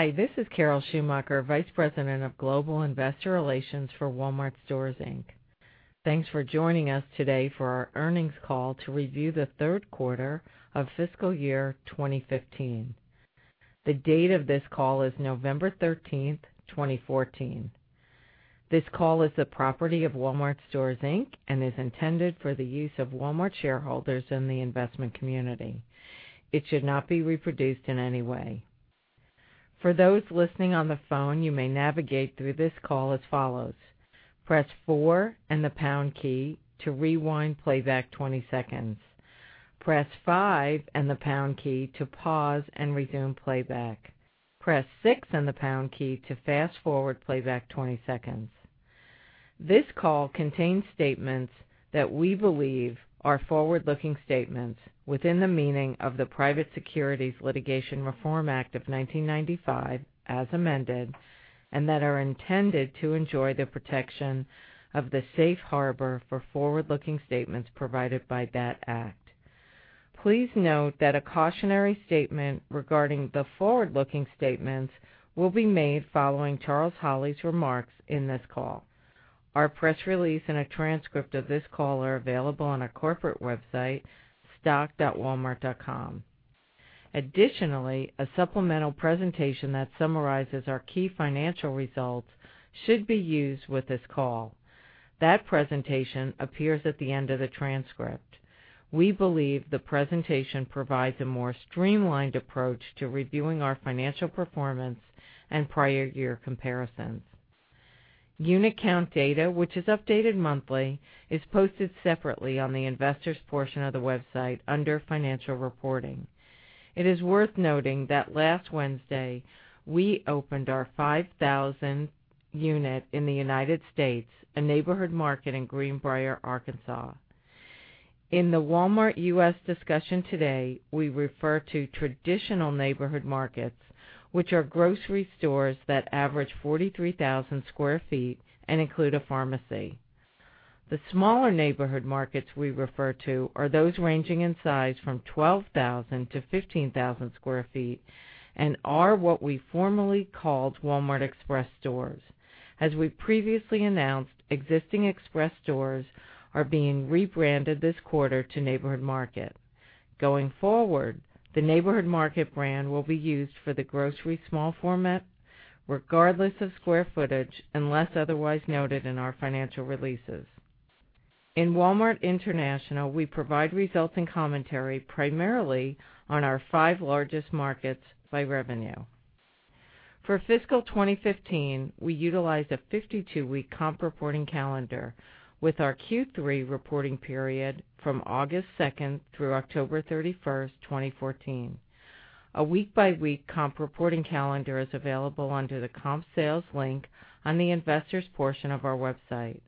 Hi, this is Carol Schumacher, Vice President of Global Investor Relations for Walmart Stores, Inc. Thanks for joining us today for our earnings call to review the third quarter of fiscal year 2015. The date of this call is November 13, 2014. This call is the property of Walmart Stores, Inc. and is intended for the use of Walmart shareholders in the investment community. It should not be reproduced in any way. For those listening on the phone, you may navigate through this call as follows. Press 4 and the pound key to rewind playback 20 seconds. Press 5 and the pound key to pause and resume playback. Press 6 and the pound key to fast-forward playback 20 seconds. This call contains statements that we believe are forward-looking statements within the meaning of the Private Securities Litigation Reform Act of 1995, as amended, and that are intended to enjoy the protection of the safe harbor for forward-looking statements provided by that act. Please note that a cautionary statement regarding the forward-looking statements will be made following Charles Holley's remarks in this call. Our press release and a transcript of this call are available on our corporate website, stock.walmart.com. Additionally, a supplemental presentation that summarizes our key financial results should be used with this call. That presentation appears at the end of the transcript. We believe the presentation provides a more streamlined approach to reviewing our financial performance and prior year comparisons. Unit count data, which is updated monthly, is posted separately on the investors' portion of the website under financial reporting. It is worth noting that last Wednesday, we opened our 5,000th unit in the U.S., a Neighborhood Market in Greenbrier, Arkansas. In the Walmart U.S. discussion today, we refer to traditional Neighborhood Markets, which are grocery stores that average 43,000 sq ft and include a pharmacy. The smaller Neighborhood Markets we refer to are those ranging in size from 12,000-15,000 sq ft and are what we formerly called Walmart Express stores. As we previously announced, existing Express stores are being rebranded this quarter to Neighborhood Market. Going forward, the Neighborhood Market brand will be used for the grocery small format regardless of square footage, unless otherwise noted in our financial releases. In Walmart International, we provide results and commentary primarily on our five largest markets by revenue. For fiscal 2015, we utilized a 52-week comp reporting calendar with our Q3 reporting period from August 2nd through October 31st, 2014. A week-by-week comp reporting calendar is available under the comp sales link on the investors' portion of our website.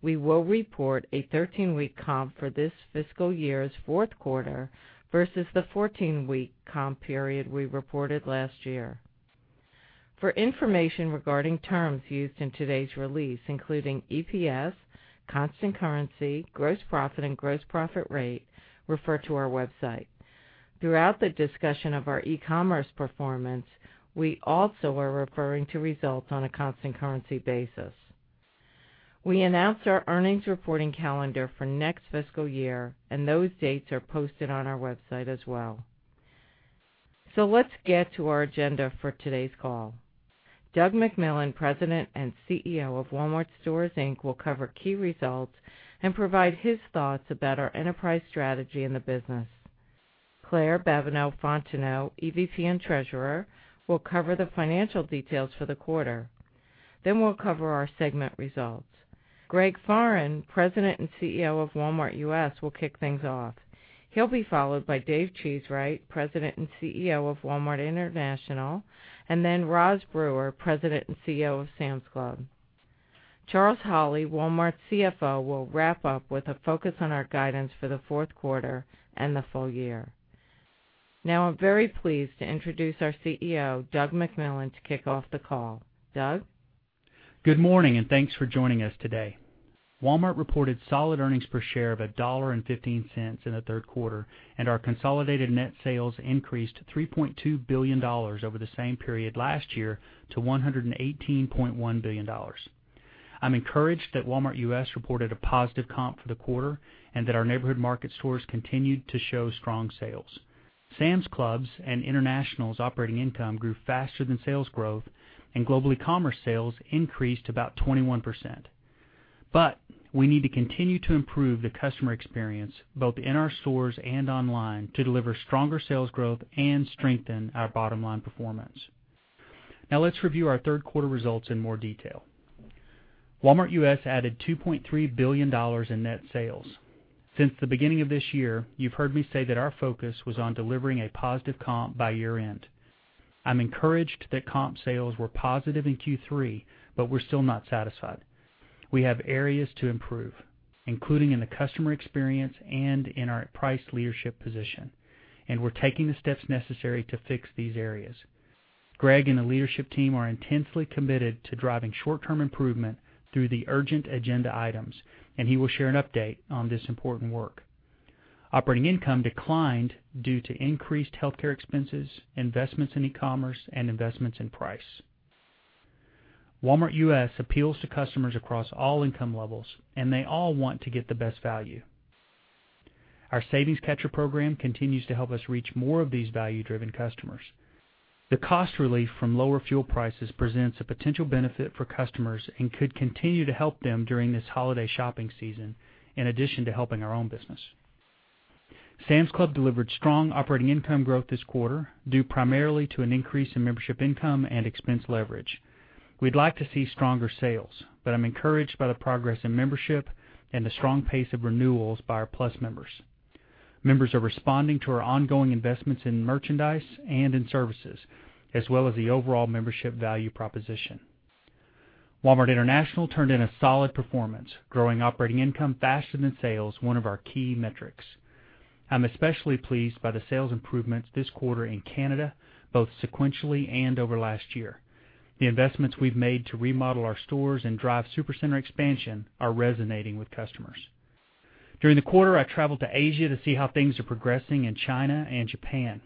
We will report a 13-week comp for this fiscal year's fourth quarter versus the 14-week comp period we reported last year. For information regarding terms used in today's release, including EPS, constant currency, gross profit, and gross profit rate, refer to our website. Throughout the discussion of our e-commerce performance, we also are referring to results on a constant currency basis. We announced our earnings reporting calendar for next fiscal year, and those dates are posted on our website as well. Let's get to our agenda for today's call. Doug McMillon, President and CEO of Walmart Stores, Inc., will cover key results and provide his thoughts about our enterprise strategy in the business. Claire Babineaux-Fontenot, EVP and Treasurer, will cover the financial details for the quarter. We'll cover our segment results. Greg Foran, President and CEO of Walmart U.S., will kick things off. He'll be followed by Dave Cheesewright, President and CEO of Walmart International, and Roz Brewer, President and CEO of Sam's Club. Charles Holley, Walmart's CFO, will wrap up with a focus on our guidance for the fourth quarter and the full year. I'm very pleased to introduce our CEO, Doug McMillon, to kick off the call. Doug? Good morning, thanks for joining us today. Walmart reported solid earnings per share of $1.15 in the third quarter, our consolidated net sales increased $3.2 billion over the same period last year to $118.1 billion. I'm encouraged that Walmart U.S. reported a positive comp for the quarter, our Neighborhood Market stores continued to show strong sales. Sam's Club and International's operating income grew faster than sales growth, global e-commerce sales increased about 21%. We need to continue to improve the customer experience, both in our stores and online, to deliver stronger sales growth and strengthen our bottom-line performance. Let's review our third quarter results in more detail. Walmart U.S. added $2.3 billion in net sales. Since the beginning of this year, you've heard me say that our focus was on delivering a positive comp by year-end. I'm encouraged that comp sales were positive in Q3, we're still not satisfied. We have areas to improve, including in the customer experience and in our price leadership position, we're taking the steps necessary to fix these areas. Greg and the leadership team are intensely committed to driving short-term improvement through the urgent agenda items, he will share an update on this important work Operating income declined due to increased healthcare expenses, investments in e-commerce, and investments in price. Walmart U.S. appeals to customers across all income levels, they all want to get the best value. Our Savings Catcher program continues to help us reach more of these value-driven customers. The cost relief from lower fuel prices presents a potential benefit for customers and could continue to help them during this holiday shopping season, in addition to helping our own business. Sam's Club delivered strong operating income growth this quarter, due primarily to an increase in membership income and expense leverage. We'd like to see stronger sales, I'm encouraged by the progress in membership and the strong pace of renewals by our Plus members. Members are responding to our ongoing investments in merchandise and in services, as well as the overall membership value proposition. Walmart International turned in a solid performance, growing operating income faster than sales, one of our key metrics. I'm especially pleased by the sales improvements this quarter in Canada, both sequentially and over last year. The investments we've made to remodel our stores and drive Supercenter expansion are resonating with customers. During the quarter, I traveled to Asia to see how things are progressing in China and Japan.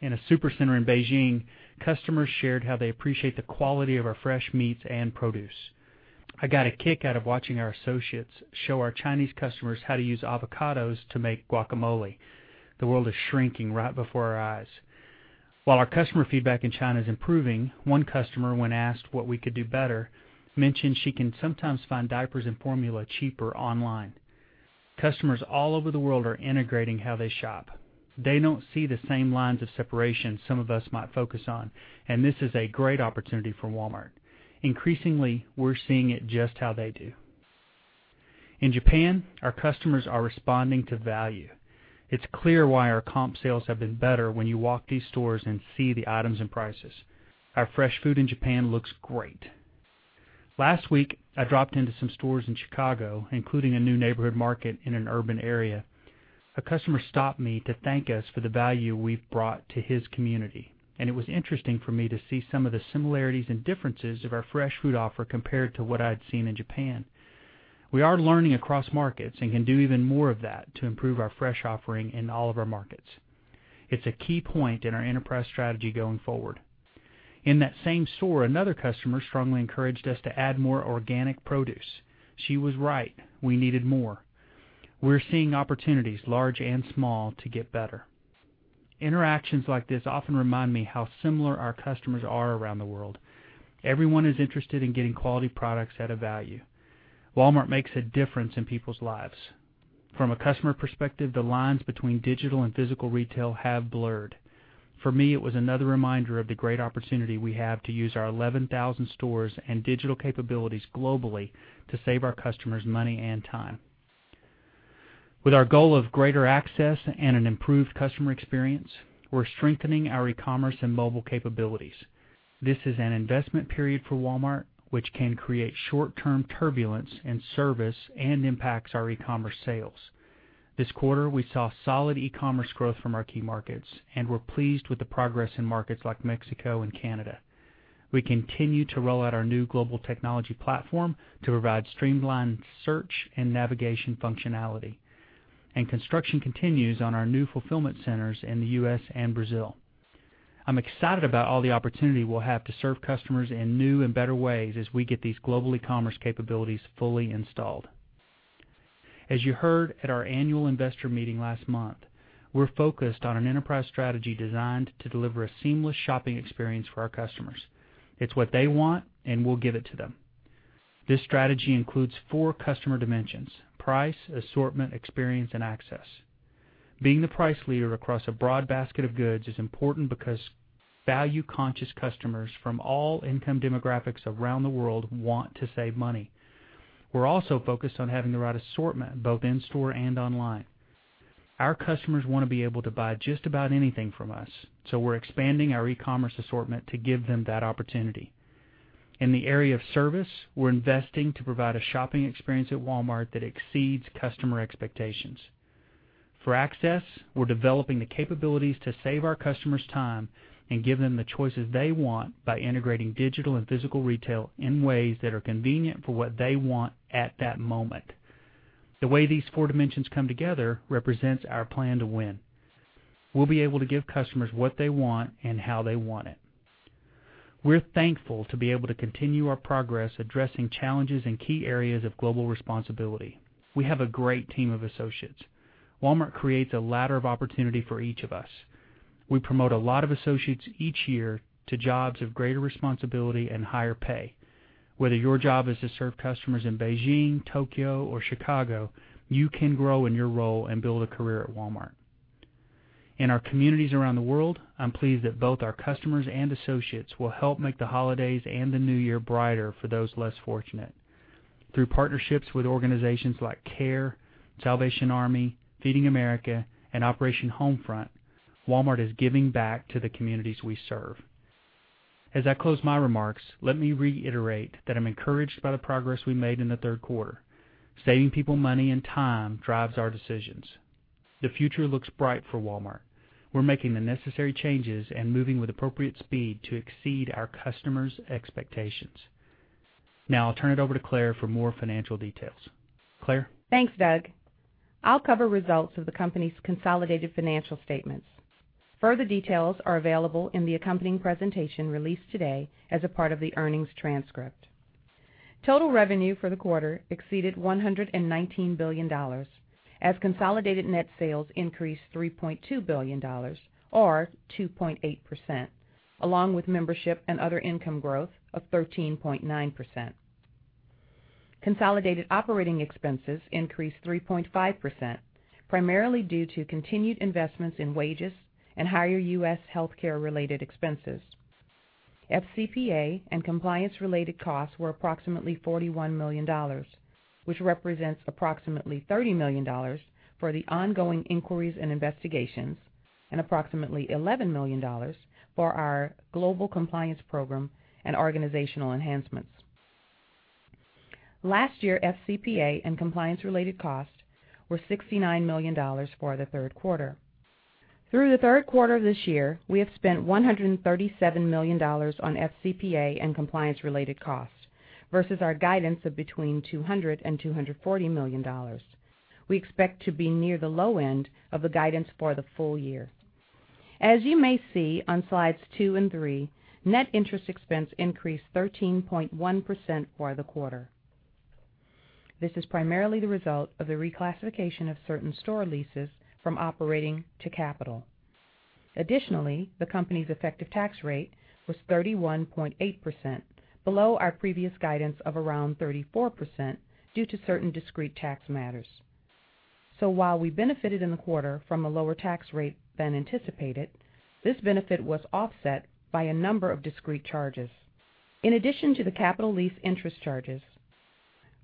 In a Supercenter in Beijing, customers shared how they appreciate the quality of our fresh meats and produce. I got a kick out of watching our associates show our Chinese customers how to use avocados to make guacamole. The world is shrinking right before our eyes. While our customer feedback in China is improving, one customer, when asked what we could do better, mentioned she can sometimes find diapers and formula cheaper online. Customers all over the world are integrating how they shop. They don't see the same lines of separation some of us might focus on, and this is a great opportunity for Walmart. Increasingly, we're seeing it just how they do. In Japan, our customers are responding to value. It's clear why our comp sales have been better when you walk these stores and see the items and prices. Our fresh food in Japan looks great. Last week, I dropped into some stores in Chicago, including a new Walmart Neighborhood Market in an urban area. A customer stopped me to thank us for the value we've brought to his community. It was interesting for me to see some of the similarities and differences of our fresh food offer compared to what I had seen in Japan. We are learning across markets and can do even more of that to improve our fresh offering in all of our markets. It's a key point in our enterprise strategy going forward. In that same store, another customer strongly encouraged us to add more organic produce. She was right. We needed more. We're seeing opportunities, large and small, to get better. Interactions like this often remind me how similar our customers are around the world. Everyone is interested in getting quality products at a value. Walmart makes a difference in people's lives. From a customer perspective, the lines between digital and physical retail have blurred. For me, it was another reminder of the great opportunity we have to use our 11,000 stores and digital capabilities globally to save our customers money and time. With our goal of greater access and an improved customer experience, we're strengthening our e-commerce and mobile capabilities. This is an investment period for Walmart, which can create short-term turbulence in service and impacts our e-commerce sales. This quarter, we saw solid e-commerce growth from our key markets, and we're pleased with the progress in markets like Mexico and Canada. We continue to roll out our new global technology platform to provide streamlined search and navigation functionality, and construction continues on our new fulfillment centers in the U.S. and Brazil. I'm excited about all the opportunity we'll have to serve customers in new and better ways as we get these global e-commerce capabilities fully installed. As you heard at our annual investor meeting last month, we're focused on an enterprise strategy designed to deliver a seamless shopping experience for our customers. It's what they want, and we'll give it to them. This strategy includes four customer dimensions, price, assortment, experience, and access. Being the price leader across a broad basket of goods is important because value-conscious customers from all income demographics around the world want to save money. We're also focused on having the right assortment, both in-store and online. Our customers want to be able to buy just about anything from us, so we're expanding our e-commerce assortment to give them that opportunity. In the area of service, we're investing to provide a shopping experience at Walmart that exceeds customer expectations. For access, we're developing the capabilities to save our customers time and give them the choices they want by integrating digital and physical retail in ways that are convenient for what they want at that moment. The way these four dimensions come together represents our plan to win. We'll be able to give customers what they want and how they want it. We're thankful to be able to continue our progress addressing challenges in key areas of global responsibility. We have a great team of associates. Walmart creates a ladder of opportunity for each of us. We promote a lot of associates each year to jobs of greater responsibility and higher pay. Whether your job is to serve customers in Beijing, Tokyo, or Chicago, you can grow in your role and build a career at Walmart. In our communities around the world, I'm pleased that both our customers and associates will help make the holidays and the new year brighter for those less fortunate. Through partnerships with organizations like CARE, The Salvation Army, Feeding America, and Operation Homefront, Walmart is giving back to the communities we serve. As I close my remarks, let me reiterate that I'm encouraged by the progress we made in the third quarter. Saving people money and time drives our decisions. The future looks bright for Walmart. We're making the necessary changes and moving with appropriate speed to exceed our customers' expectations. Now I'll turn it over to Claire for more financial details. Claire? Thanks, Doug. I'll cover results of the company's consolidated financial statements. Further details are available in the accompanying presentation released today as a part of the earnings transcript. Total revenue for the quarter exceeded $119 billion, as consolidated net sales increased $3.2 billion, or 2.8%, along with membership and other income growth of 13.9%. Consolidated operating expenses increased 3.5%, primarily due to continued investments in wages and higher U.S. healthcare-related expenses. FCPA and compliance-related costs were approximately $41 million, which represents approximately $30 million for the ongoing inquiries and investigations and approximately $11 million for our global compliance program and organizational enhancements. Last year, FCPA and compliance-related costs were $69 million for the third quarter. Through the third quarter of this year, we have spent $137 million on FCPA and compliance-related costs versus our guidance of between $200 million and $240 million. We expect to be near the low end of the guidance for the full year. As you may see on slides two and three, net interest expense increased 13.1% for the quarter. This is primarily the result of the reclassification of certain store leases from operating to capital. Additionally, the company's effective tax rate was 31.8%, below our previous guidance of around 34% due to certain discrete tax matters. While we benefited in the quarter from a lower tax rate than anticipated, this benefit was offset by a number of discrete charges. In addition to the capital lease interest charges,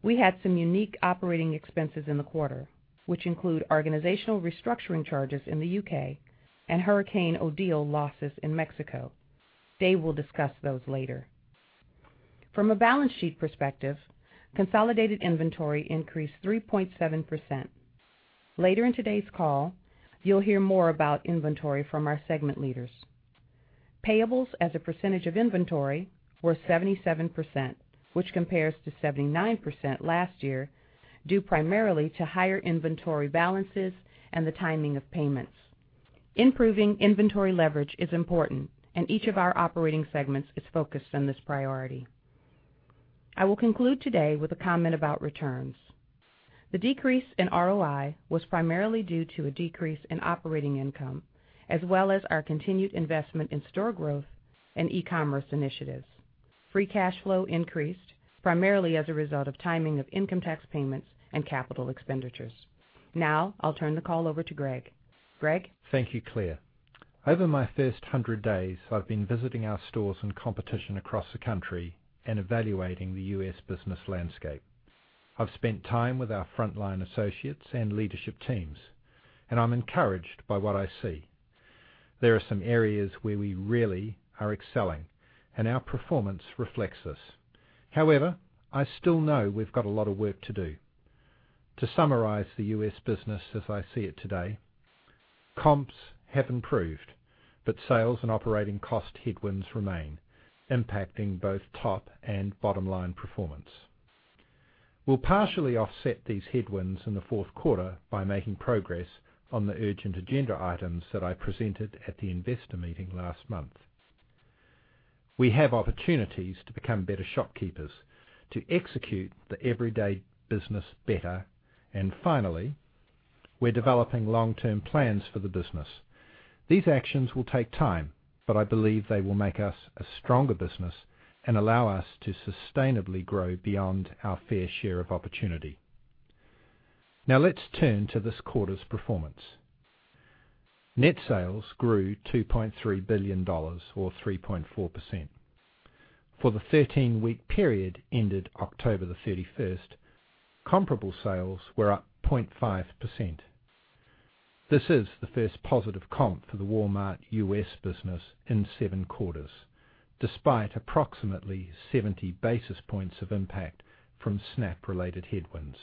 we had some unique operating expenses in the quarter, which include organizational restructuring charges in the U.K. and Hurricane Odile losses in Mexico. Dave will discuss those later. From a balance sheet perspective, consolidated inventory increased 3.7%. Later in today's call, you'll hear more about inventory from our segment leaders. Payables as a percentage of inventory were 77%, which compares to 79% last year due primarily to higher inventory balances and the timing of payments. Improving inventory leverage is important and each of our operating segments is focused on this priority. I will conclude today with a comment about returns. The decrease in ROI was primarily due to a decrease in operating income, as well as our continued investment in store growth and e-commerce initiatives. Free cash flow increased primarily as a result of timing of income tax payments and capital expenditures. I'll turn the call over to Greg. Greg? Thank you, Claire. Over my first 100 days, I've been visiting our stores and competition across the country and evaluating the U.S. business landscape. I've spent time with our frontline associates and leadership teams, and I'm encouraged by what I see. There are some areas where we really are excelling, and our performance reflects this. However, I still know we've got a lot of work to do. To summarize the U.S. business as I see it today, comps have improved, but sales and operating cost headwinds remain, impacting both top and bottom-line performance. We'll partially offset these headwinds in the fourth quarter by making progress on the urgent agenda items that I presented at the investor meeting last month. We have opportunities to become better shopkeepers, to execute the everyday business better, and finally, we're developing long-term plans for the business. These actions will take time, but I believe they will make us a stronger business and allow us to sustainably grow beyond our fair share of opportunity. Let's turn to this quarter's performance. Net sales grew $2.3 billion or 3.4%. For the 13-week period ended October the 31st, comparable sales were up 0.5%. This is the first positive comp for the Walmart U.S. business in seven quarters, despite approximately 70 basis points of impact from SNAP-related headwinds.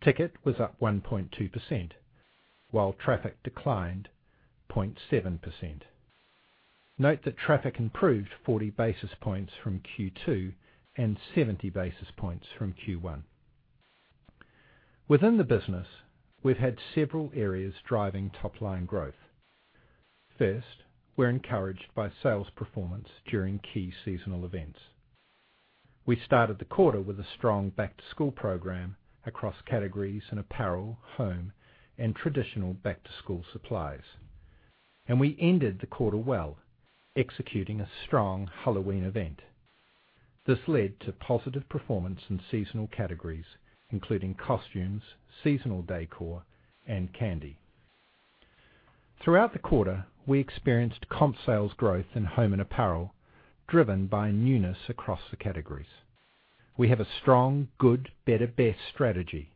Ticket was up 1.2%, while traffic declined 0.7%. Note that traffic improved 40 basis points from Q2 and 70 basis points from Q1. Within the business, we've had several areas driving top-line growth. First, we're encouraged by sales performance during key seasonal events. We started the quarter with a strong back-to-school program across categories in apparel, home, and traditional back-to-school supplies. We ended the quarter well, executing a strong Halloween event. This led to positive performance in seasonal categories, including costumes, seasonal decor, and candy. Throughout the quarter, we experienced comp sales growth in home and apparel, driven by newness across the categories. We have a strong good, better, best strategy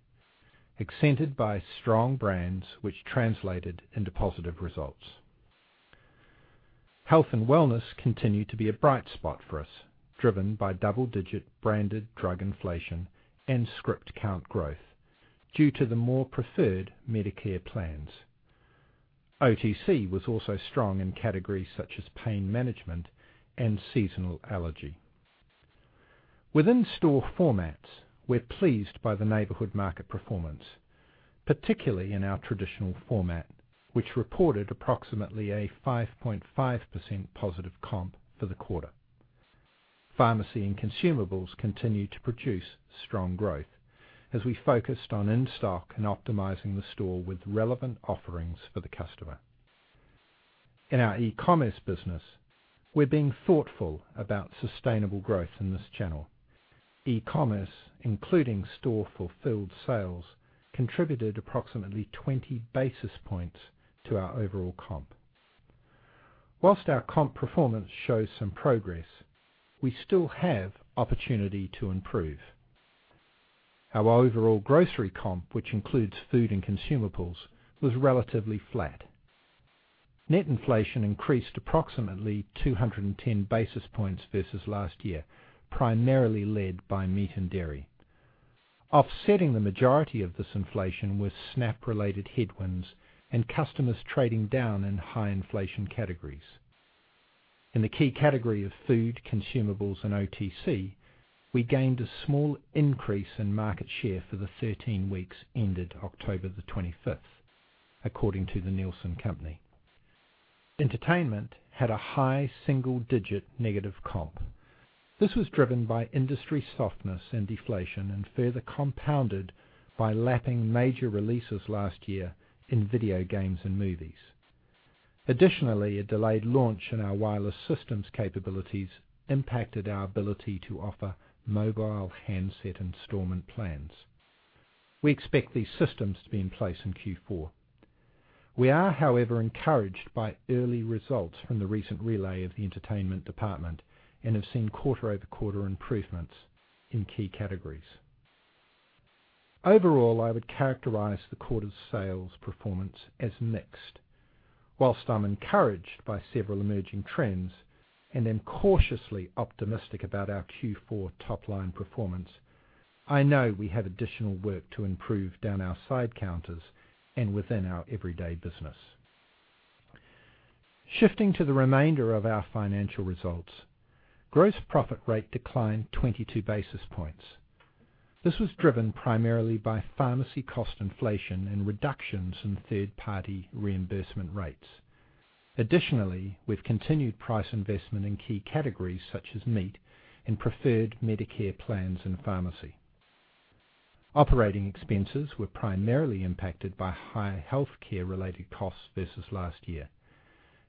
accented by strong brands which translated into positive results. Health and wellness continue to be a bright spot for us, driven by double-digit branded drug inflation and script count growth due to the more preferred Medicare plans. OTC was also strong in categories such as pain management and seasonal allergy. Within store formats, we're pleased by the Neighborhood Market performance, particularly in our traditional format, which reported approximately a 5.5% positive comp for the quarter. Pharmacy and consumables continue to produce strong growth as we focused on in-stock and optimizing the store with relevant offerings for the customer. In our e-commerce business, we're being thoughtful about sustainable growth in this channel. E-commerce, including store-fulfilled sales, contributed approximately 20 basis points to our overall comp. Whilst our comp performance shows some progress, we still have opportunity to improve. Our overall grocery comp, which includes food and consumables, was relatively flat. Net inflation increased approximately 210 basis points versus last year, primarily led by meat and dairy. Offsetting the majority of this inflation were SNAP-related headwinds and customers trading down in high inflation categories. In the key category of food, consumables, and OTC, we gained a small increase in market share for the 13 weeks ended October the 25th, according to Nielsen. Entertainment had a high single-digit negative comp. This was driven by industry softness and deflation, further compounded by lapping major releases last year in video games and movies. Additionally, a delayed launch in our wireless systems capabilities impacted our ability to offer mobile handset installment plans. We expect these systems to be in place in Q4. We are, however, encouraged by early results from the recent relay of the entertainment department and have seen quarter-over-quarter improvements in key categories. Overall, I would characterize the quarter's sales performance as mixed. Whilst I'm encouraged by several emerging trends and am cautiously optimistic about our Q4 top-line performance, I know we have additional work to improve down our side counters and within our everyday business. Shifting to the remainder of our financial results, gross profit rate declined 22 basis points. This was driven primarily by pharmacy cost inflation and reductions in third-party reimbursement rates. Additionally, we've continued price investment in key categories such as meat and preferred Medicare plans in pharmacy. Operating expenses were primarily impacted by higher healthcare-related costs versus last year.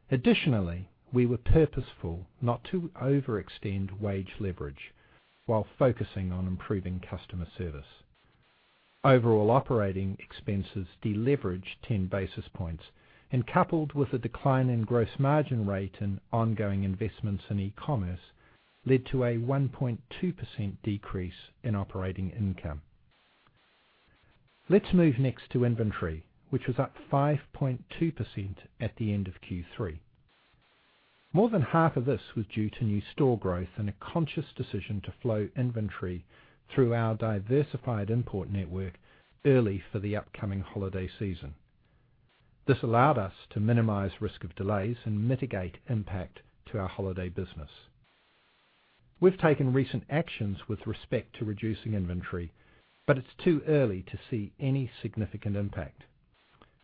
Additionally, we were purposeful not to overextend wage leverage while focusing on improving customer service. Overall operating expenses deleveraged 10 basis points, coupled with a decline in gross margin rate and ongoing investments in e-commerce, led to a 1.2% decrease in operating income. Let's move next to inventory, which was up 5.2% at the end of Q3. More than half of this was due to new store growth and a conscious decision to flow inventory through our diversified import network early for the upcoming holiday season. This allowed us to minimize risk of delays and mitigate impact to our holiday business. We've taken recent actions with respect to reducing inventory, but it's too early to see any significant impact.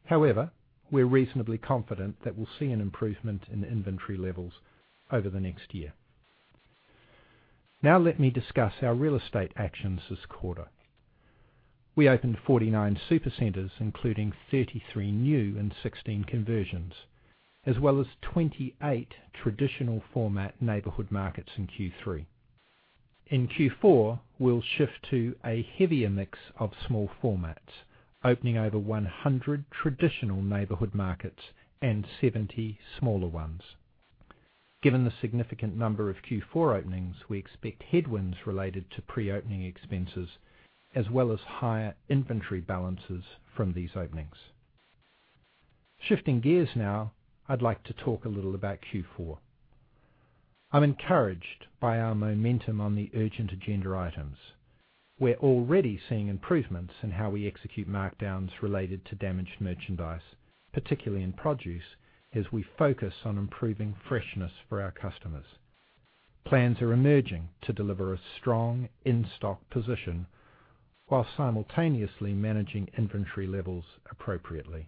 However, we're reasonably confident that we'll see an improvement in inventory levels over the next year. Let me discuss our real estate actions this quarter. We opened 49 supercenters, including 33 new and 16 conversions, as well as 28 traditional format Neighborhood Markets in Q3. In Q4, we'll shift to a heavier mix of small formats, opening over 100 traditional Neighborhood Markets and 70 smaller ones. Given the significant number of Q4 openings, we expect headwinds related to pre-opening expenses, as well as higher inventory balances from these openings. Shifting gears now, I'd like to talk a little about Q4. I'm encouraged by our momentum on the urgent agenda items. We're already seeing improvements in how we execute markdowns related to damaged merchandise, particularly in produce, as we focus on improving freshness for our customers. Plans are emerging to deliver a strong in-stock position while simultaneously managing inventory levels appropriately.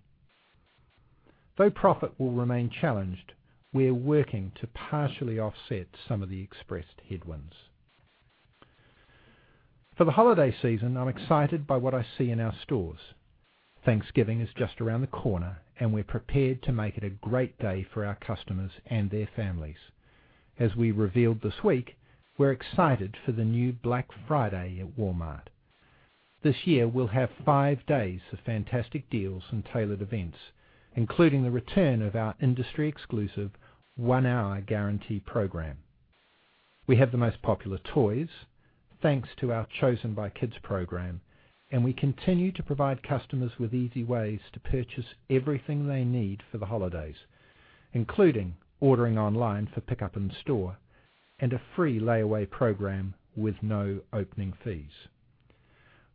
Though profit will remain challenged, we're working to partially offset some of the expressed headwinds. For the holiday season, I'm excited by what I see in our stores. Thanksgiving is just around the corner. We're prepared to make it a great day for our customers and their families. As we revealed this week, we're excited for the new Black Friday at Walmart. This year, we'll have five days of fantastic deals and tailored events, including the return of our industry-exclusive One-Hour Guarantee program. We have the most popular toys, thanks to our Chosen by Kids program. We continue to provide customers with easy ways to purchase everything they need for the holidays, including ordering online for pickup in-store and a free layaway program with no opening fees.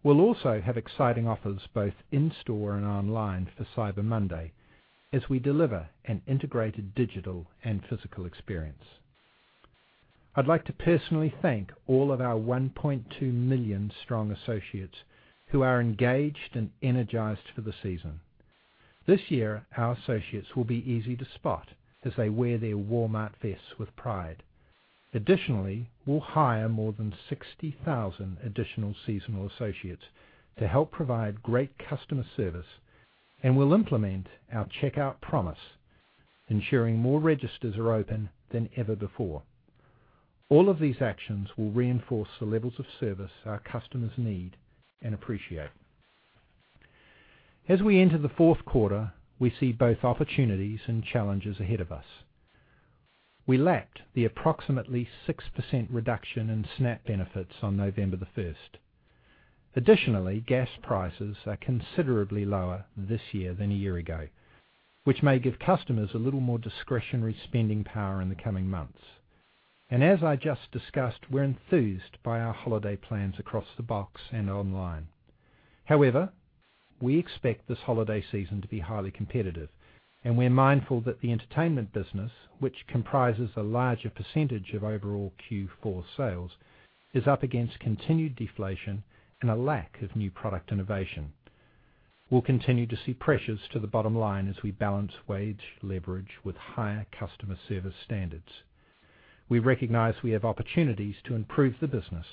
We'll also have exciting offers both in-store and online for Cyber Monday as we deliver an integrated digital and physical experience. I'd like to personally thank all of our 1.2 million strong associates who are engaged and energized for the season. This year, our associates will be easy to spot as they wear their Walmart vests with pride. Additionally, we'll hire more than 60,000 additional seasonal associates to help provide great customer service. We'll implement our checkout promise, ensuring more registers are open than ever before. All of these actions will reinforce the levels of service our customers need and appreciate. As we enter the fourth quarter, we see both opportunities and challenges ahead of us. We lapped the approximately 6% reduction in SNAP benefits on November the 1st. Additionally, gas prices are considerably lower this year than a year ago, which may give customers a little more discretionary spending power in the coming months. As I just discussed, we're enthused by our holiday plans across the box and online. However, we expect this holiday season to be highly competitive. We're mindful that the entertainment business, which comprises a larger percentage of overall Q4 sales, is up against continued deflation and a lack of new product innovation. We'll continue to see pressures to the bottom line as we balance wage leverage with higher customer service standards. We recognize we have opportunities to improve the business.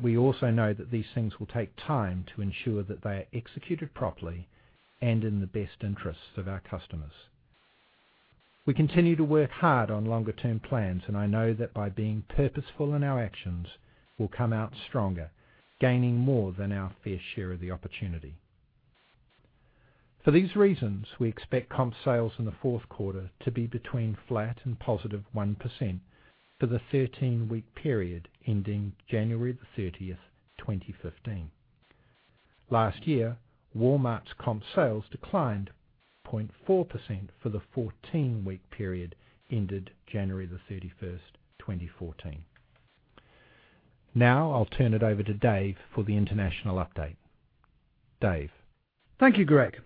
We also know that these things will take time to ensure that they are executed properly and in the best interests of our customers. We continue to work hard on longer-term plans. I know that by being purposeful in our actions, we'll come out stronger, gaining more than our fair share of the opportunity. For these reasons, we expect comp sales in the fourth quarter to be between flat and positive 1% for the 13-week period ending January the 30th, 2015. Last year, Walmart's comp sales declined 0.4% for the 14-week period ended January the 31st, 2014. I'll turn it over to Dave for the international update. Dave. Thank you, Greg.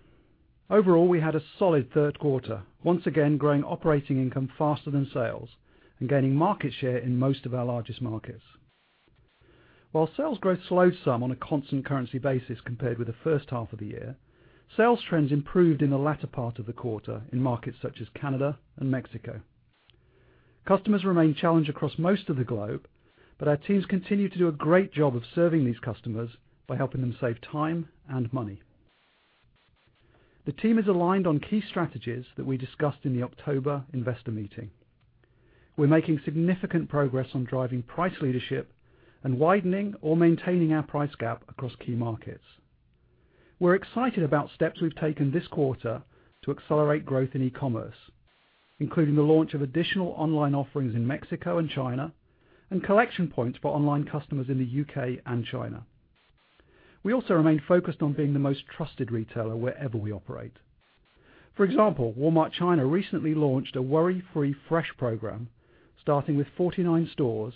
Overall, we had a solid third quarter, once again growing operating income faster than sales and gaining market share in most of our largest markets. While sales growth slowed some on a constant currency basis compared with the first half of the year, sales trends improved in the latter part of the quarter in markets such as Canada and Mexico. Customers remain challenged across most of the globe, but our teams continue to do a great job of serving these customers by helping them save time and money. The team is aligned on key strategies that we discussed in the October investor meeting. We're making significant progress on driving price leadership and widening or maintaining our price gap across key markets. We're excited about steps we've taken this quarter to accelerate growth in e-commerce, including the launch of additional online offerings in Mexico and China and collection points for online customers in the U.K. and China. We also remain focused on being the most trusted retailer wherever we operate. For example, Walmart China recently launched a Worry-Free Fresh Program, starting with 49 stores,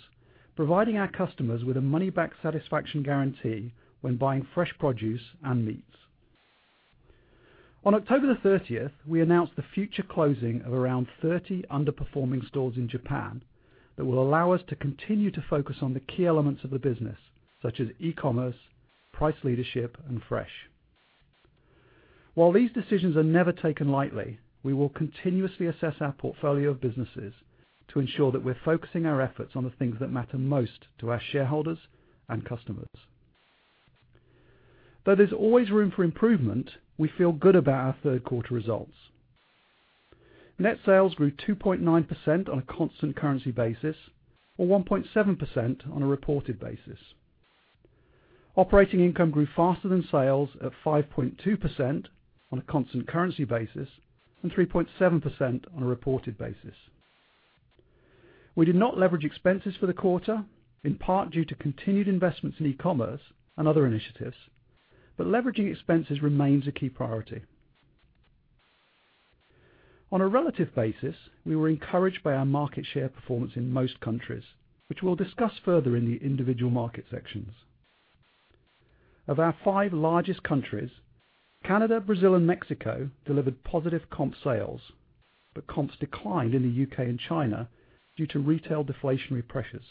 providing our customers with a money-back satisfaction guarantee when buying fresh produce and meats. On October the 30th, we announced the future closing of around 30 underperforming stores in Japan that will allow us to continue to focus on the key elements of the business, such as e-commerce, price leadership, and fresh. While these decisions are never taken lightly, we will continuously assess our portfolio of businesses to ensure that we're focusing our efforts on the things that matter most to our shareholders and customers. There's always room for improvement, we feel good about our third quarter results. Net sales grew 2.9% on a constant currency basis, or 1.7% on a reported basis. Operating income grew faster than sales at 5.2% on a constant currency basis and 3.7% on a reported basis. We did not leverage expenses for the quarter, in part due to continued investments in e-commerce and other initiatives. Leveraging expenses remains a key priority. On a relative basis, we were encouraged by our market share performance in most countries, which we'll discuss further in the individual market sections. Of our five largest countries, Canada, Brazil, and Mexico delivered positive comp sales, but comps declined in the U.K. and China due to retail deflationary pressures.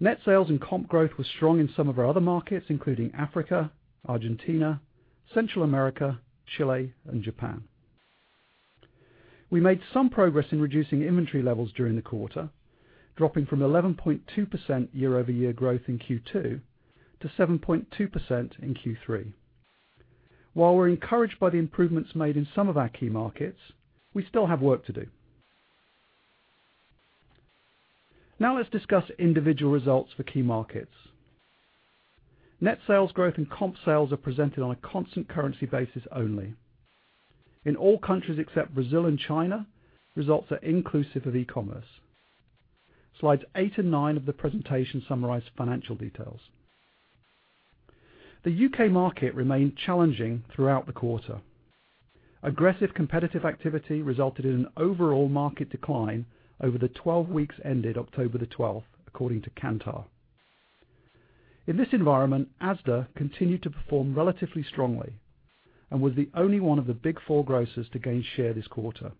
Net sales and comp growth was strong in some of our other markets, including Africa, Argentina, Central America, Chile, and Japan. We made some progress in reducing inventory levels during the quarter, dropping from 11.2% year-over-year growth in Q2 to 7.2% in Q3. While we're encouraged by the improvements made in some of our key markets, we still have work to do. Let's discuss individual results for key markets. Net sales growth and comp sales are presented on a constant currency basis only. In all countries except Brazil and China, results are inclusive of e-commerce. Slides eight and nine of the presentation summarize financial details. The U.K. market remained challenging throughout the quarter. Aggressive competitive activity resulted in an overall market decline over the 12 weeks ended October 12th, according to Kantar. In this environment, Asda continued to perform relatively strongly and was the only one of the big four grocers to gain share this quarter.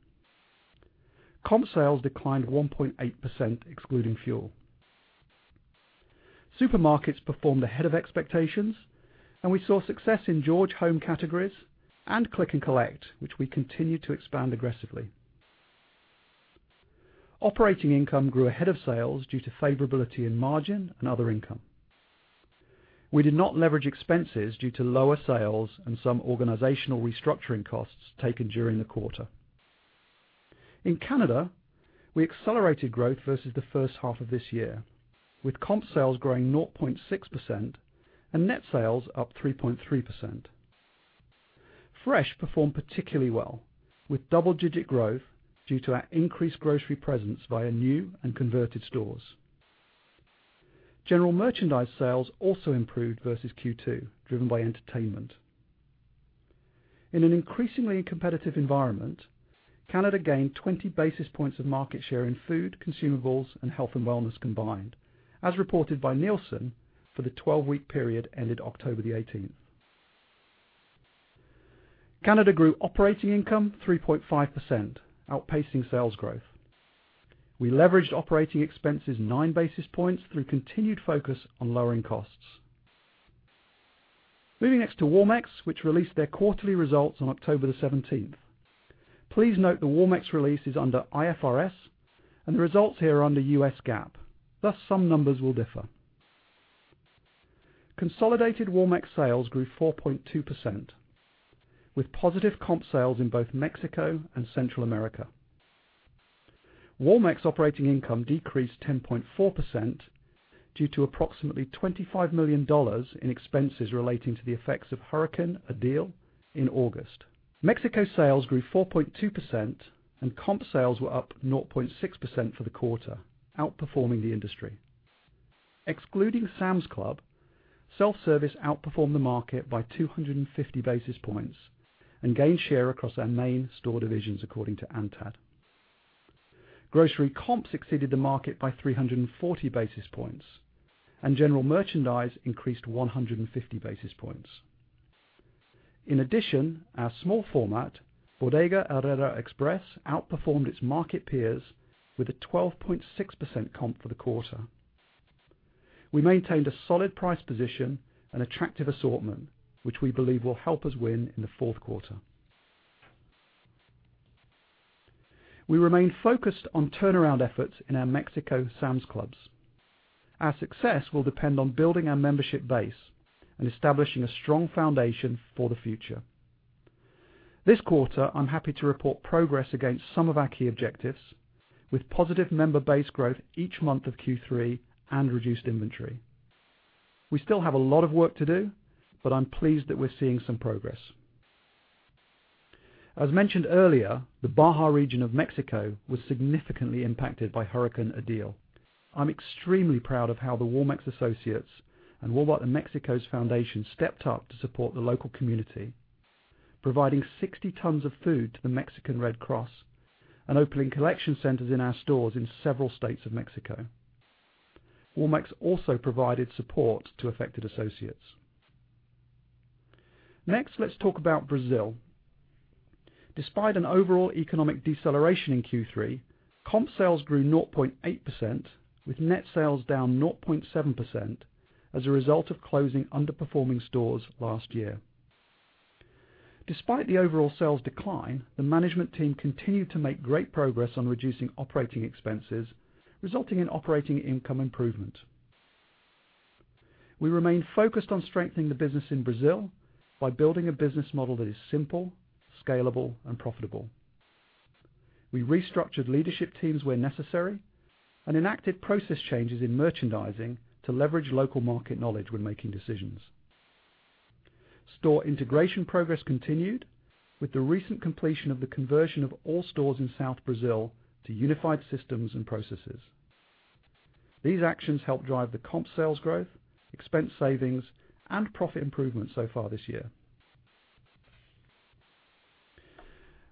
Comp sales declined 1.8%, excluding fuel. Supermarkets performed ahead of expectations. We saw success in George home categories and Click and Collect, which we continue to expand aggressively. Operating income grew ahead of sales due to favorability in margin and other income. We did not leverage expenses due to lower sales and some organizational restructuring costs taken during the quarter. In Canada, we accelerated growth versus the first half of this year, with comp sales growing 0.6% and net sales up 3.3%. Fresh performed particularly well, with double-digit growth due to our increased grocery presence via new and converted stores. General merchandise sales also improved versus Q2, driven by entertainment. In an increasingly competitive environment, Canada gained 20 basis points of market share in food, consumables, and health and wellness combined, as reported by Nielsen for the 12-week period ended October 18th. Canada grew operating income 3.5%, outpacing sales growth. We leveraged operating expenses nine basis points through continued focus on lowering costs. Moving next to Walmex, which released their quarterly results on October 17th. Please note the Walmex release is under IFRS and the results here are under U.S. GAAP, thus some numbers will differ. Consolidated Walmex sales grew 4.2%, with positive comp sales in both Mexico and Central America. Walmex operating income decreased 10.4% due to approximately $25 million in expenses relating to the effects of Hurricane Odile in August. Mexico sales grew 4.2% and comp sales were up 0.6% for the quarter, outperforming the industry. Excluding Sam's Club, self-service outperformed the market by 250 basis points and gained share across our main store divisions, according to ANTAD. Grocery comps exceeded the market by 340 basis points, and general merchandise increased 150 basis points. Our small format, Bodega Aurrera Express, outperformed its market peers with a 12.6% comp for the quarter. We maintained a solid price position and attractive assortment, which we believe will help us win in the fourth quarter. We remain focused on turnaround efforts in our Mexico Sam's Clubs. Our success will depend on building our membership base and establishing a strong foundation for the future. This quarter, I'm happy to report progress against some of our key objectives, with positive member base growth each month of Q3 and reduced inventory. We still have a lot of work to do. I'm pleased that we're seeing some progress. As mentioned earlier, the Baja region of Mexico was significantly impacted by Hurricane Odile. I'm extremely proud of how the Walmex associates and Walmart Mexico's foundation stepped up to support the local community, providing 60 tons of food to the Mexican Red Cross and opening collection centers in our stores in several states of Mexico. Walmex also provided support to affected associates. Next, let's talk about Brazil. Despite an overall economic deceleration in Q3, comp sales grew 0.8%, with net sales down 0.7% as a result of closing underperforming stores last year. Despite the overall sales decline, the management team continued to make great progress on reducing operating expenses, resulting in operating income improvement. We remain focused on strengthening the business in Brazil by building a business model that is simple, scalable, and profitable. We restructured leadership teams where necessary and enacted process changes in merchandising to leverage local market knowledge when making decisions. Store integration progress continued with the recent completion of the conversion of all stores in South Brazil to unified systems and processes. These actions helped drive the comp sales growth, expense savings, and profit improvement so far this year.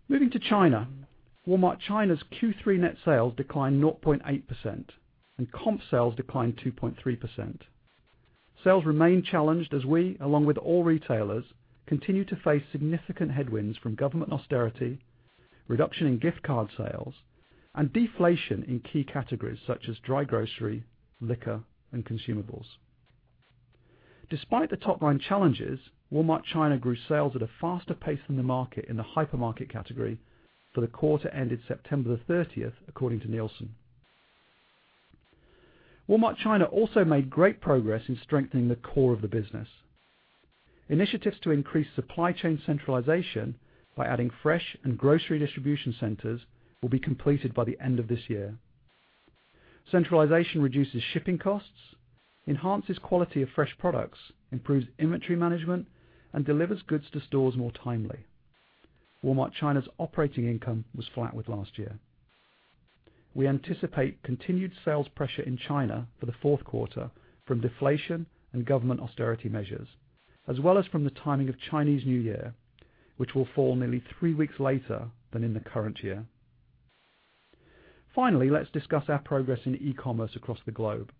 Moving to China, Walmart China's Q3 net sales declined 0.8%, and comp sales declined 2.3%. Sales remain challenged as we, along with all retailers, continue to face significant headwinds from government austerity, reduction in gift card sales, and deflation in key categories such as dry grocery, liquor, and consumables. Despite the top-line challenges, Walmart China grew sales at a faster pace than the market in the hypermarket category for the quarter ended September the 30th, according to Nielsen. Walmart China also made great progress in strengthening the core of the business. Initiatives to increase supply chain centralization by adding fresh and grocery distribution centers will be completed by the end of this year. Centralization reduces shipping costs, enhances quality of fresh products, improves inventory management, and delivers goods to stores more timely. Walmart China's operating income was flat with last year. We anticipate continued sales pressure in China for the fourth quarter from deflation and government austerity measures, as well as from the timing of Chinese New Year, which will fall nearly three weeks later than in the current year. Finally, let's discuss our progress in e-commerce across the globe.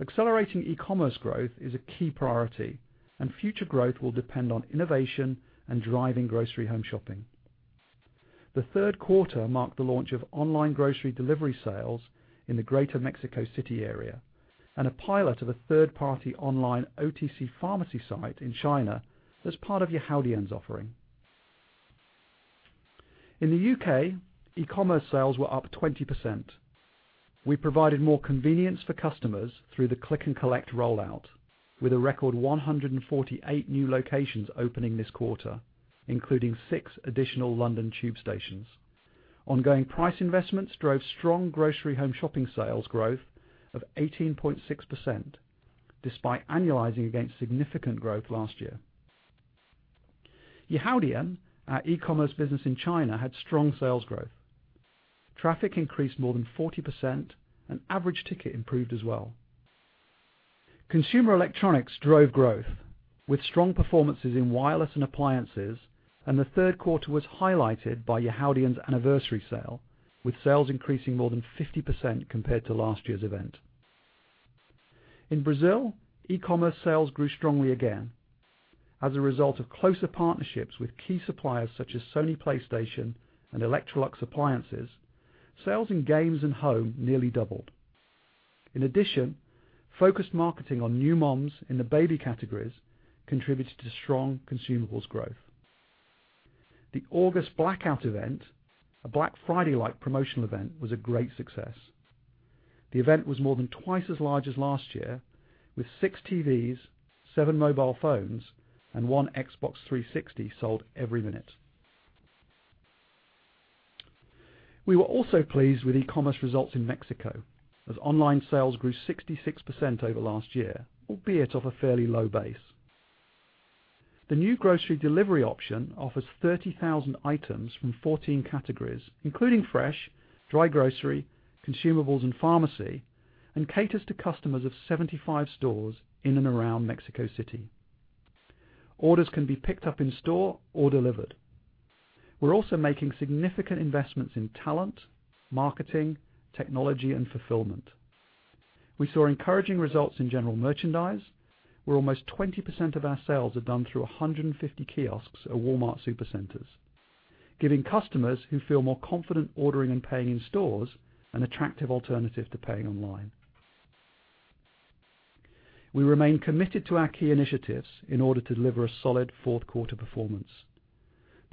Accelerating e-commerce growth is a key priority, and future growth will depend on innovation and driving grocery home shopping. The third quarter marked the launch of online grocery delivery sales in the greater Mexico City area and a pilot of a third-party online OTC pharmacy site in China as part of Yihaodian's offering. In the U.K., e-commerce sales were up 20%. We provided more convenience for customers through the Click and Collect rollout, with a record 148 new locations opening this quarter, including six additional London Tube stations. Ongoing price investments drove strong grocery home shopping sales growth of 18.6%, despite annualizing against significant growth last year. Yihaodian, our e-commerce business in China, had strong sales growth. Traffic increased more than 40%, and average ticket improved as well. Consumer electronics drove growth with strong performances in wireless and appliances, and the third quarter was highlighted by Yihaodian's anniversary sale, with sales increasing more than 50% compared to last year's event. In Brazil, e-commerce sales grew strongly again. As a result of closer partnerships with key suppliers such as Sony PlayStation and Electrolux Appliances, sales in games and home nearly doubled. In addition, focused marketing on new moms in the baby categories contributed to strong consumables growth. The August Blackout event, a Black Friday-like promotional event, was a great success. The event was more than twice as large as last year, with six TVs, seven mobile phones, and one Xbox 360 sold every minute. We were also pleased with e-commerce results in Mexico, as online sales grew 66% over last year, albeit off a fairly low base. The new grocery delivery option offers 30,000 items from 14 categories, including fresh, dry grocery, consumables, and pharmacy, and caters to customers of 75 stores in and around Mexico City. Orders can be picked up in store or delivered. We are also making significant investments in talent, marketing, technology, and fulfillment. We saw encouraging results in general merchandise, where almost 20% of our sales are done through 150 kiosks at Walmart Supercenters, giving customers who feel more confident ordering and paying in stores an attractive alternative to paying online. We remain committed to our key initiatives in order to deliver a solid fourth quarter performance.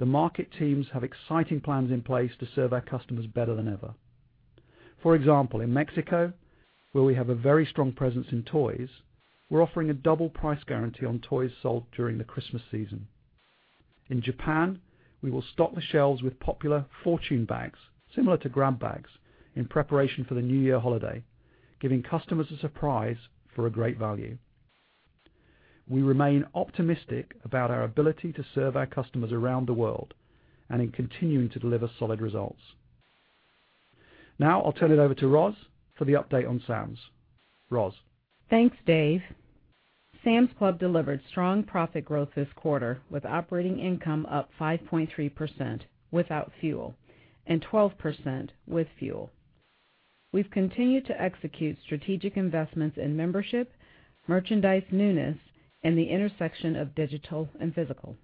The market teams have exciting plans in place to serve our customers better than ever. For example, in Mexico, where we have a very strong presence in toys, we are offering a double price guarantee on toys sold during the Christmas season. In Japan, we will stock the shelves with popular fortune bags, similar to grab bags, in preparation for the new year holiday, giving customers a surprise for a great value. We remain optimistic about our ability to serve our customers around the world and in continuing to deliver solid results. Now I will turn it over to Roz for the update on Sam's. Roz? Thanks, Dave. Sam's Club delivered strong profit growth this quarter, with operating income up 5.3% without fuel and 12% with fuel. We have continued to execute strategic investments in membership, merchandise newness, and the intersection of digital and physical.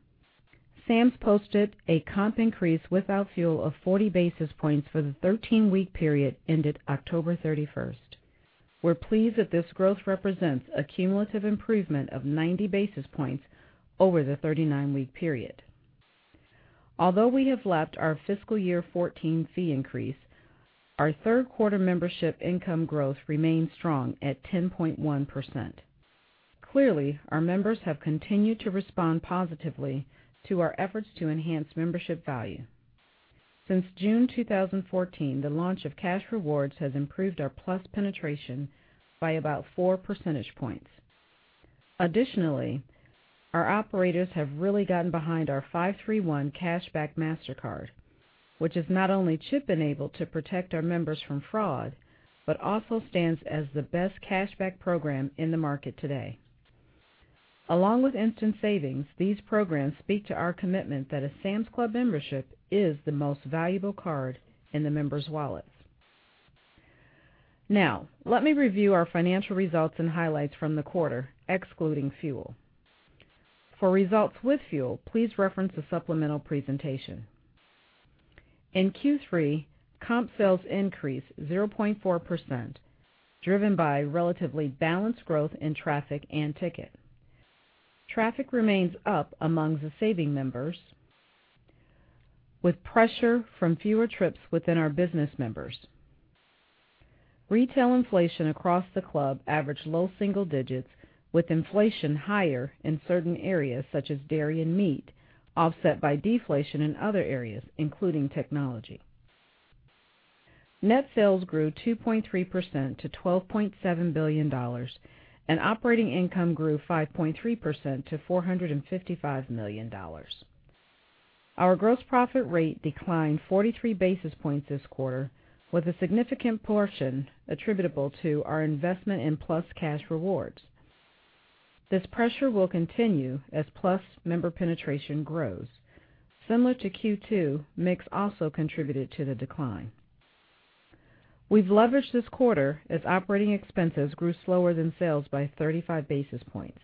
Sam's posted a comp increase without fuel of 40 basis points for the 13-week period ended October 31st. We are pleased that this growth represents a cumulative improvement of 90 basis points over the 39-week period. Although we have lapped our fiscal year 2014 fee increase, our third quarter membership income growth remains strong at 10.1%. Clearly, our members have continued to respond positively to our efforts to enhance membership value. Since June 2014, the launch of Cash Rewards has improved our plus penetration by about four percentage points. Additionally, our operators have really gotten behind our 5-3-1 Cash Back MasterCard, which is not only chip-enabled to protect our members from fraud, but also stands as the best Cash Back program in the market today. Along with instant savings, these programs speak to our commitment that a Sam's Club membership is the most valuable card in the members' wallets. Let me review our financial results and highlights from the quarter excluding fuel. For results with fuel, please reference the supplemental presentation. In Q3, comp sales increased 0.4%, driven by relatively balanced growth in traffic and ticket. Traffic remains up among the saving members, with pressure from fewer trips within our business members. Retail inflation across the club averaged low single digits, with inflation higher in certain areas such as dairy and meat, offset by deflation in other areas, including technology. Net sales grew 2.3% to $12.7 billion. Operating income grew 5.3% to $455 million. Our gross profit rate declined 43 basis points this quarter, with a significant portion attributable to our investment in Plus Cash Rewards. This pressure will continue as Plus member penetration grows. Similar to Q2, mix also contributed to the decline. We've leveraged this quarter as operating expenses grew slower than sales by 35 basis points.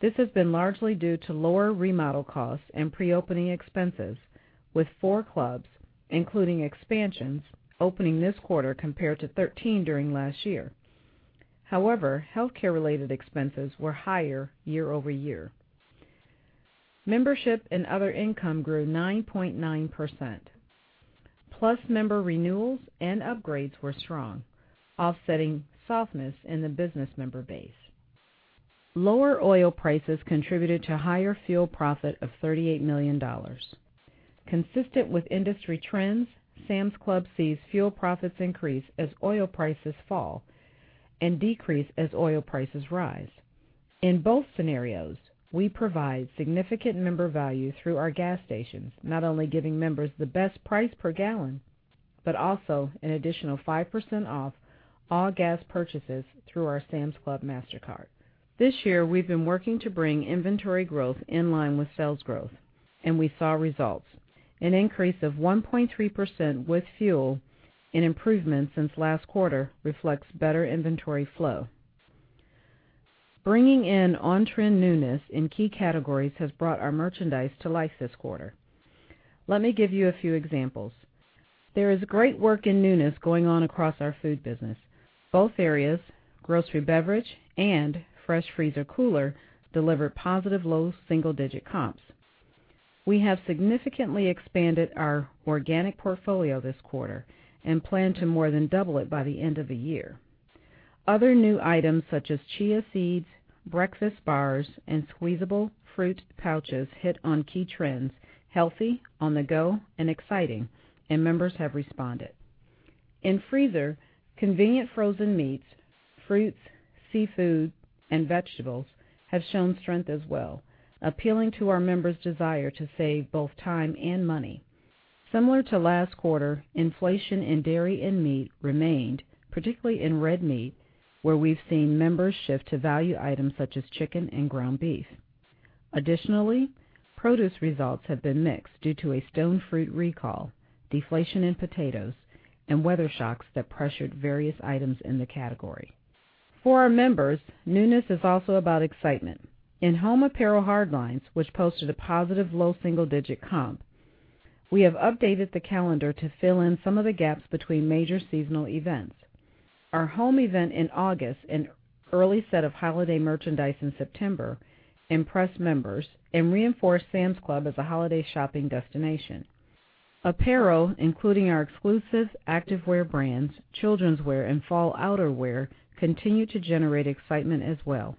This has been largely due to lower remodel costs and pre-opening expenses, with four clubs, including expansions, opening this quarter compared to 13 during last year. However, healthcare-related expenses were higher year-over-year. Membership and other income grew 9.9%. Plus member renewals and upgrades were strong, offsetting softness in the business member base. Lower oil prices contributed to higher fuel profit of $38 million. Consistent with industry trends, Sam's Club sees fuel profits increase as oil prices fall and decrease as oil prices rise. In both scenarios, we provide significant member value through our gas stations, not only giving members the best price per gallon, but also an additional 5% off all gas purchases through our Sam's Club MasterCard. This year, we've been working to bring inventory growth in line with sales growth. We saw results. An increase of 1.3% with fuel, an improvement since last quarter, reflects better inventory flow. Bringing in on-trend newness in key categories has brought our merchandise to life this quarter. Let me give you a few examples. There is great work in newness going on across our food business. Both areas, grocery beverage and fresh freezer cooler, deliver positive low single-digit comps. We have significantly expanded our organic portfolio this quarter. We plan to more than double it by the end of the year. Other new items such as chia seeds, breakfast bars, and squeezable fruit pouches hit on key trends: healthy, on the go, and exciting. Members have responded. In freezer, convenient frozen meats, fruits, seafood, and vegetables have shown strength as well, appealing to our members' desire to save both time and money. Similar to last quarter, inflation in dairy and meat remained, particularly in red meat, where we've seen members shift to value items such as chicken and ground beef. Additionally, produce results have been mixed due to a stone fruit recall, deflation in potatoes, and weather shocks that pressured various items in the category. For our members, newness is also about excitement. In home apparel hard lines, which posted a positive low single-digit comp, we have updated the calendar to fill in some of the gaps between major seasonal events. Our home event in August and early set of holiday merchandise in September impressed members and reinforced Sam's Club as a holiday shopping destination. Apparel, including our exclusive active wear brands, children's wear, and fall outer wear, continue to generate excitement as well.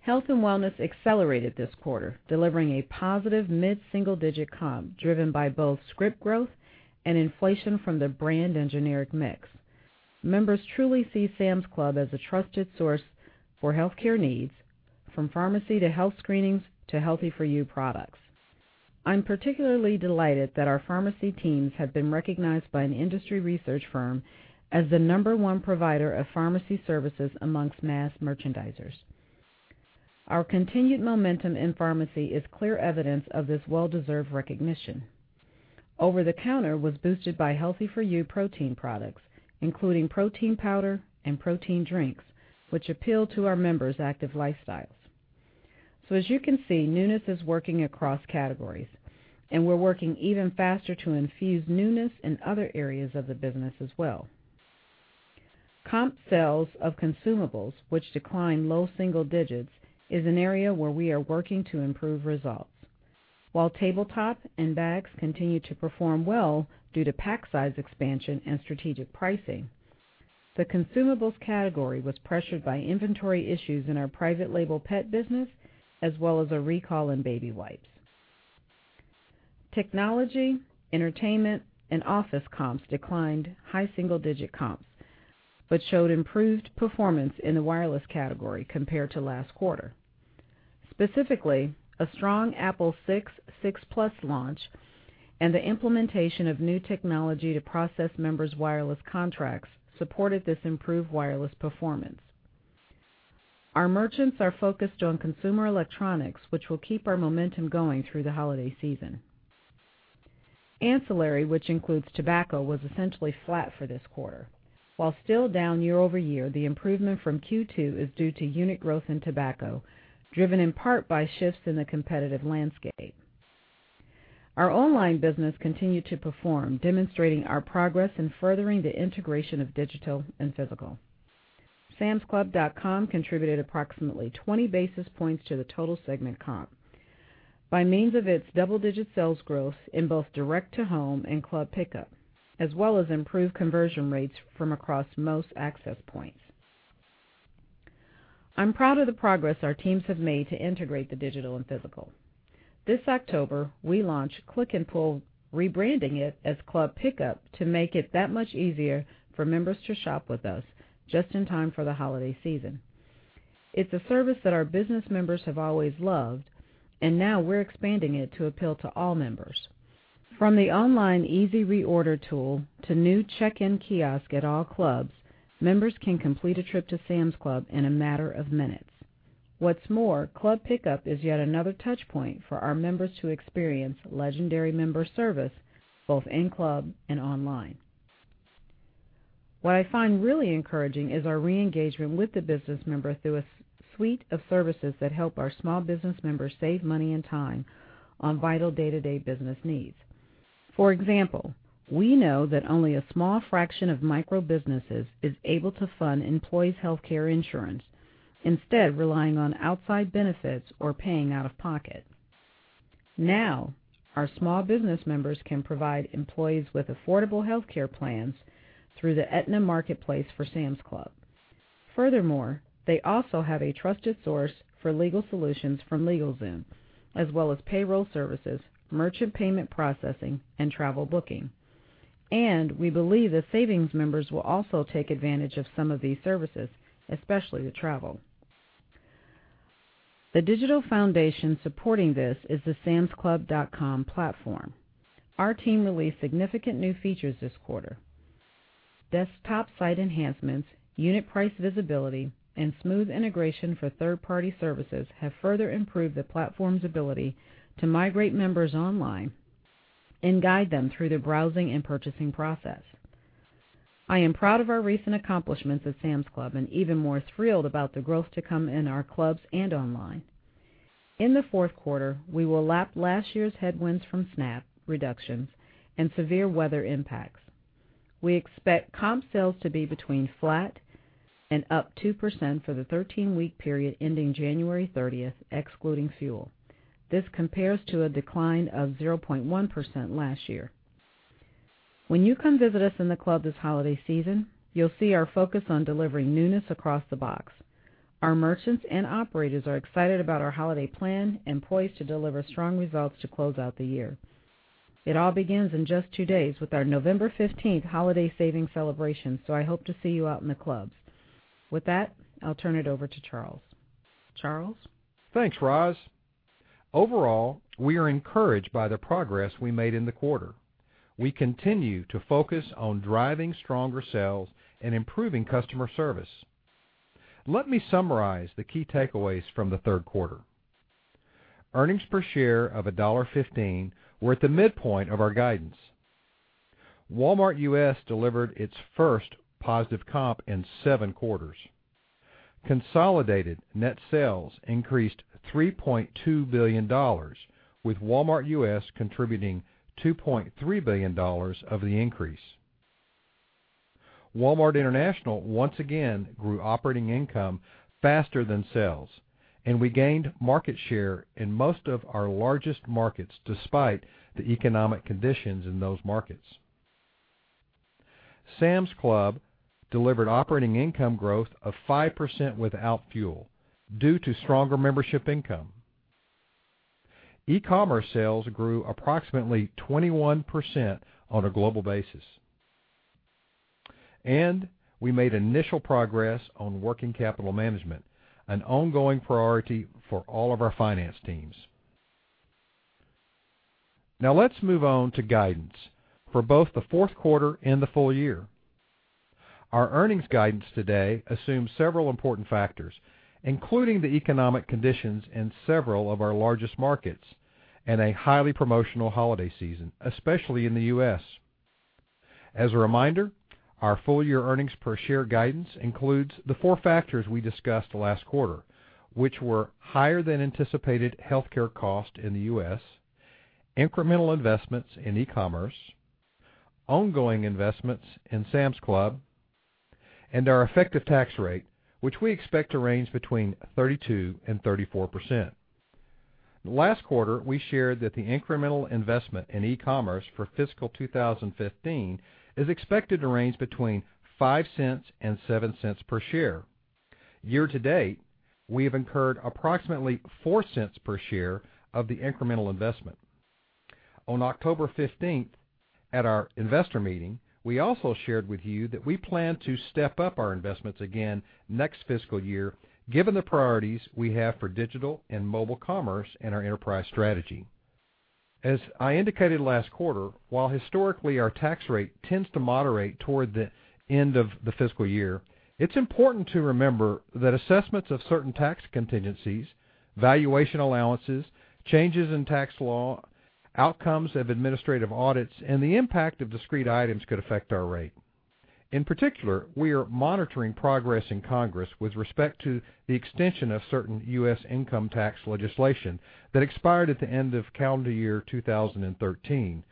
Health and wellness accelerated this quarter, delivering a positive mid-single digit comp, driven by both script growth and inflation from the brand and generic mix. Members truly see Sam's Club as a trusted source for healthcare needs, from pharmacy to health screenings, to Healthy For You products. I'm particularly delighted that our pharmacy teams have been recognized by an industry research firm as the number 1 provider of pharmacy services amongst mass merchandisers. Our continued momentum in pharmacy is clear evidence of this well-deserved recognition. Over-the-counter was boosted by Healthy For You protein products, including protein powder and protein drinks, which appeal to our members' active lifestyles. As you can see, newness is working across categories, and we're working even faster to infuse newness in other areas of the business as well. Comp sales of consumables, which decline low single digits, is an area where we are working to improve results. While tabletop and bags continue to perform well due to pack size expansion and strategic pricing, the consumables category was pressured by inventory issues in our private label pet business as well as a recall in baby wipes. Technology, entertainment, and office comps declined high single-digit comps, but showed improved performance in the wireless category compared to last quarter. Specifically, a strong iPhone 6, iPhone 6 Plus launch and the implementation of new technology to process members' wireless contracts supported this improved wireless performance. Our merchants are focused on consumer electronics, which will keep our momentum going through the holiday season. Ancillary, which includes tobacco, was essentially flat for this quarter. While still down year-over-year, the improvement from Q2 is due to unit growth in tobacco, driven in part by shifts in the competitive landscape. Our online business continued to perform, demonstrating our progress in furthering the integration of digital and physical. samsclub.com contributed approximately 20 basis points to the total segment comp by means of its double-digit sales growth in both direct to home and Club Pickup, as well as improved conversion rates from across most access points. I'm proud of the progress our teams have made to integrate the digital and physical. This October, we launched Click Pull, rebranding it as Club Pickup to make it that much easier for members to shop with us just in time for the holiday season. It's a service that our business members have always loved, and now we're expanding it to appeal to all members. From the online easy reorder tool to new check-in kiosk at all clubs, members can complete a trip to Sam's Club in a matter of minutes. What's more, Club Pickup is yet another touch point for our members to experience legendary member service, both in-club and online. What I find really encouraging is our re-engagement with the business member through a suite of services that help our small business members save money and time on vital day-to-day business needs. For example, we know that only a small fraction of micro-businesses is able to fund employees' healthcare insurance, instead relying on outside benefits or paying out of pocket. Our small business members can provide employees with affordable healthcare plans through the Aetna marketplace for Sam's Club. They also have a trusted source for legal solutions from LegalZoom, as well as payroll services, merchant payment processing, and travel booking. We believe that savings members will also take advantage of some of these services, especially the travel. The digital foundation supporting this is the samsclub.com platform. Our team released significant new features this quarter. Desktop site enhancements, unit price visibility, and smooth integration for third-party services have further improved the platform's ability to migrate members online and guide them through the browsing and purchasing process. I am proud of our recent accomplishments at Sam's Club and even more thrilled about the growth to come in our clubs and online. In the fourth quarter, we will lap last year's headwinds from SNAP reductions and severe weather impacts. We expect comp sales to be between flat and up 2% for the 13-week period ending January 30th, excluding fuel. This compares to a decline of 0.1% last year. When you come visit us in the club this holiday season, you'll see our focus on delivering newness across the box. Our merchants and operators are excited about our holiday plan and poised to deliver strong results to close out the year. It all begins in just two days with our November 15th holiday savings celebration, so I hope to see you out in the clubs. With that, I'll turn it over to Charles. Charles? Thanks, Roz. Overall, we are encouraged by the progress we made in the quarter. We continue to focus on driving stronger sales and improving customer service. Let me summarize the key takeaways from the third quarter. Earnings per share of $1.15 were at the midpoint of our guidance. Walmart U.S. delivered its first positive comp in seven quarters. Consolidated net sales increased $3.2 billion, with Walmart U.S. contributing $2.3 billion of the increase. Walmart International once again grew operating income faster than sales, and we gained market share in most of our largest markets, despite the economic conditions in those markets. Sam's Club delivered operating income growth of 5% without fuel due to stronger membership income. E-commerce sales grew approximately 21% on a global basis. We made initial progress on working capital management, an ongoing priority for all of our finance teams. Let's move on to guidance for both the fourth quarter and the full year. Our earnings guidance today assumes several important factors, including the economic conditions in several of our largest markets and a highly promotional holiday season, especially in the U.S. As a reminder, our full-year earnings per share guidance includes the four factors we discussed last quarter, which were higher than anticipated healthcare cost in the U.S., incremental investments in e-commerce, ongoing investments in Sam's Club, and our effective tax rate, which we expect to range between 32%-34%. Last quarter, we shared that the incremental investment in e-commerce for fiscal 2015 is expected to range between $0.05-$0.07 per share. Year to date, we have incurred approximately $0.04 per share of the incremental investment. On October 15th at our investor meeting, we also shared with you that we plan to step up our investments again next fiscal year, given the priorities we have for digital and mobile commerce in our enterprise strategy. As I indicated last quarter, while historically our tax rate tends to moderate toward the end of the fiscal year, it's important to remember that assessments of certain tax contingencies, valuation allowances, changes in tax law, outcomes of administrative audits, and the impact of discrete items could affect our rate. In particular, we are monitoring progress in Congress with respect to the extension of certain U.S. income tax legislation that expired at the end of calendar year 2013,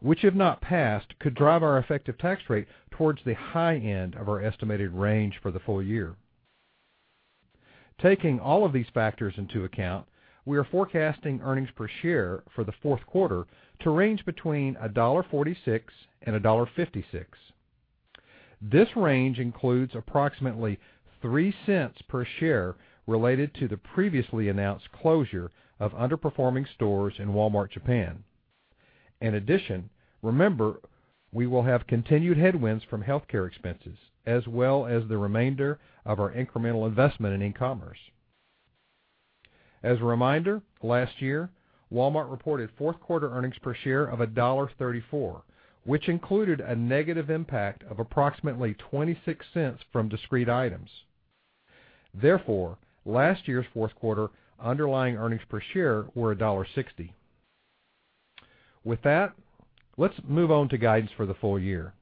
which if not passed, could drive our effective tax rate towards the high end of our estimated range for the full year. Taking all of these factors into account, we are forecasting earnings per share for the fourth quarter to range between $1.46-$1.56. This range includes approximately $0.03 per share related to the previously announced closure of underperforming stores in Walmart Japan. In addition, remember, we will have continued headwinds from healthcare expenses as well as the remainder of our incremental investment in e-commerce. As a reminder, last year, Walmart reported fourth quarter earnings per share of $1.34, which included a negative impact of approximately $0.26 from discrete items. Therefore, last year's fourth quarter underlying earnings per share were $1.60. Let's move on to guidance for the full year.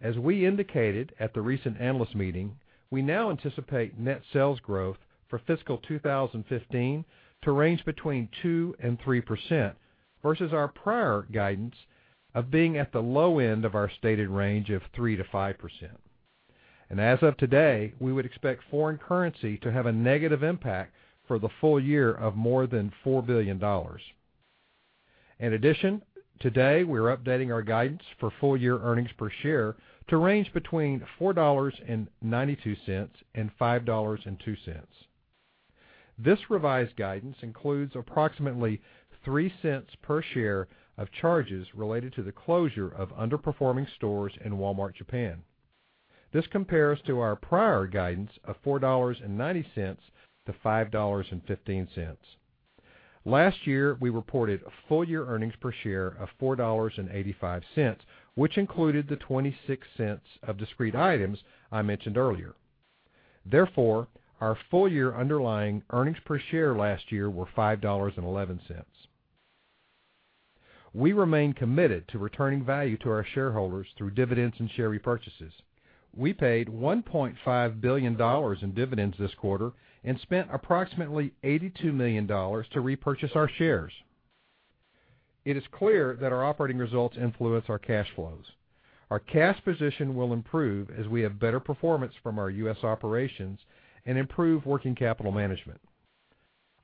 As we indicated at the recent analyst meeting, we now anticipate net sales growth for FY 2015 to range between 2%-3% versus our prior guidance of being at the low end of our stated range of 3%-5%. As of today, we would expect foreign currency to have a negative impact for the full year of more than $4 billion. In addition, today we are updating our guidance for full year earnings per share to range between $4.92-$5.02. This revised guidance includes approximately $0.03 per share of charges related to the closure of underperforming stores in Walmart Japan. This compares to our prior guidance of $4.90-$5.15. Last year, we reported full year earnings per share of $4.85, which included the $0.26 of discrete items I mentioned earlier. Therefore, our full year underlying earnings per share last year were $5.11. We remain committed to returning value to our shareholders through dividends and share repurchases. We paid $1.5 billion in dividends this quarter and spent approximately $82 million to repurchase our shares. It is clear that our operating results influence our cash flows. Our cash position will improve as we have better performance from our U.S. operations and improve working capital management.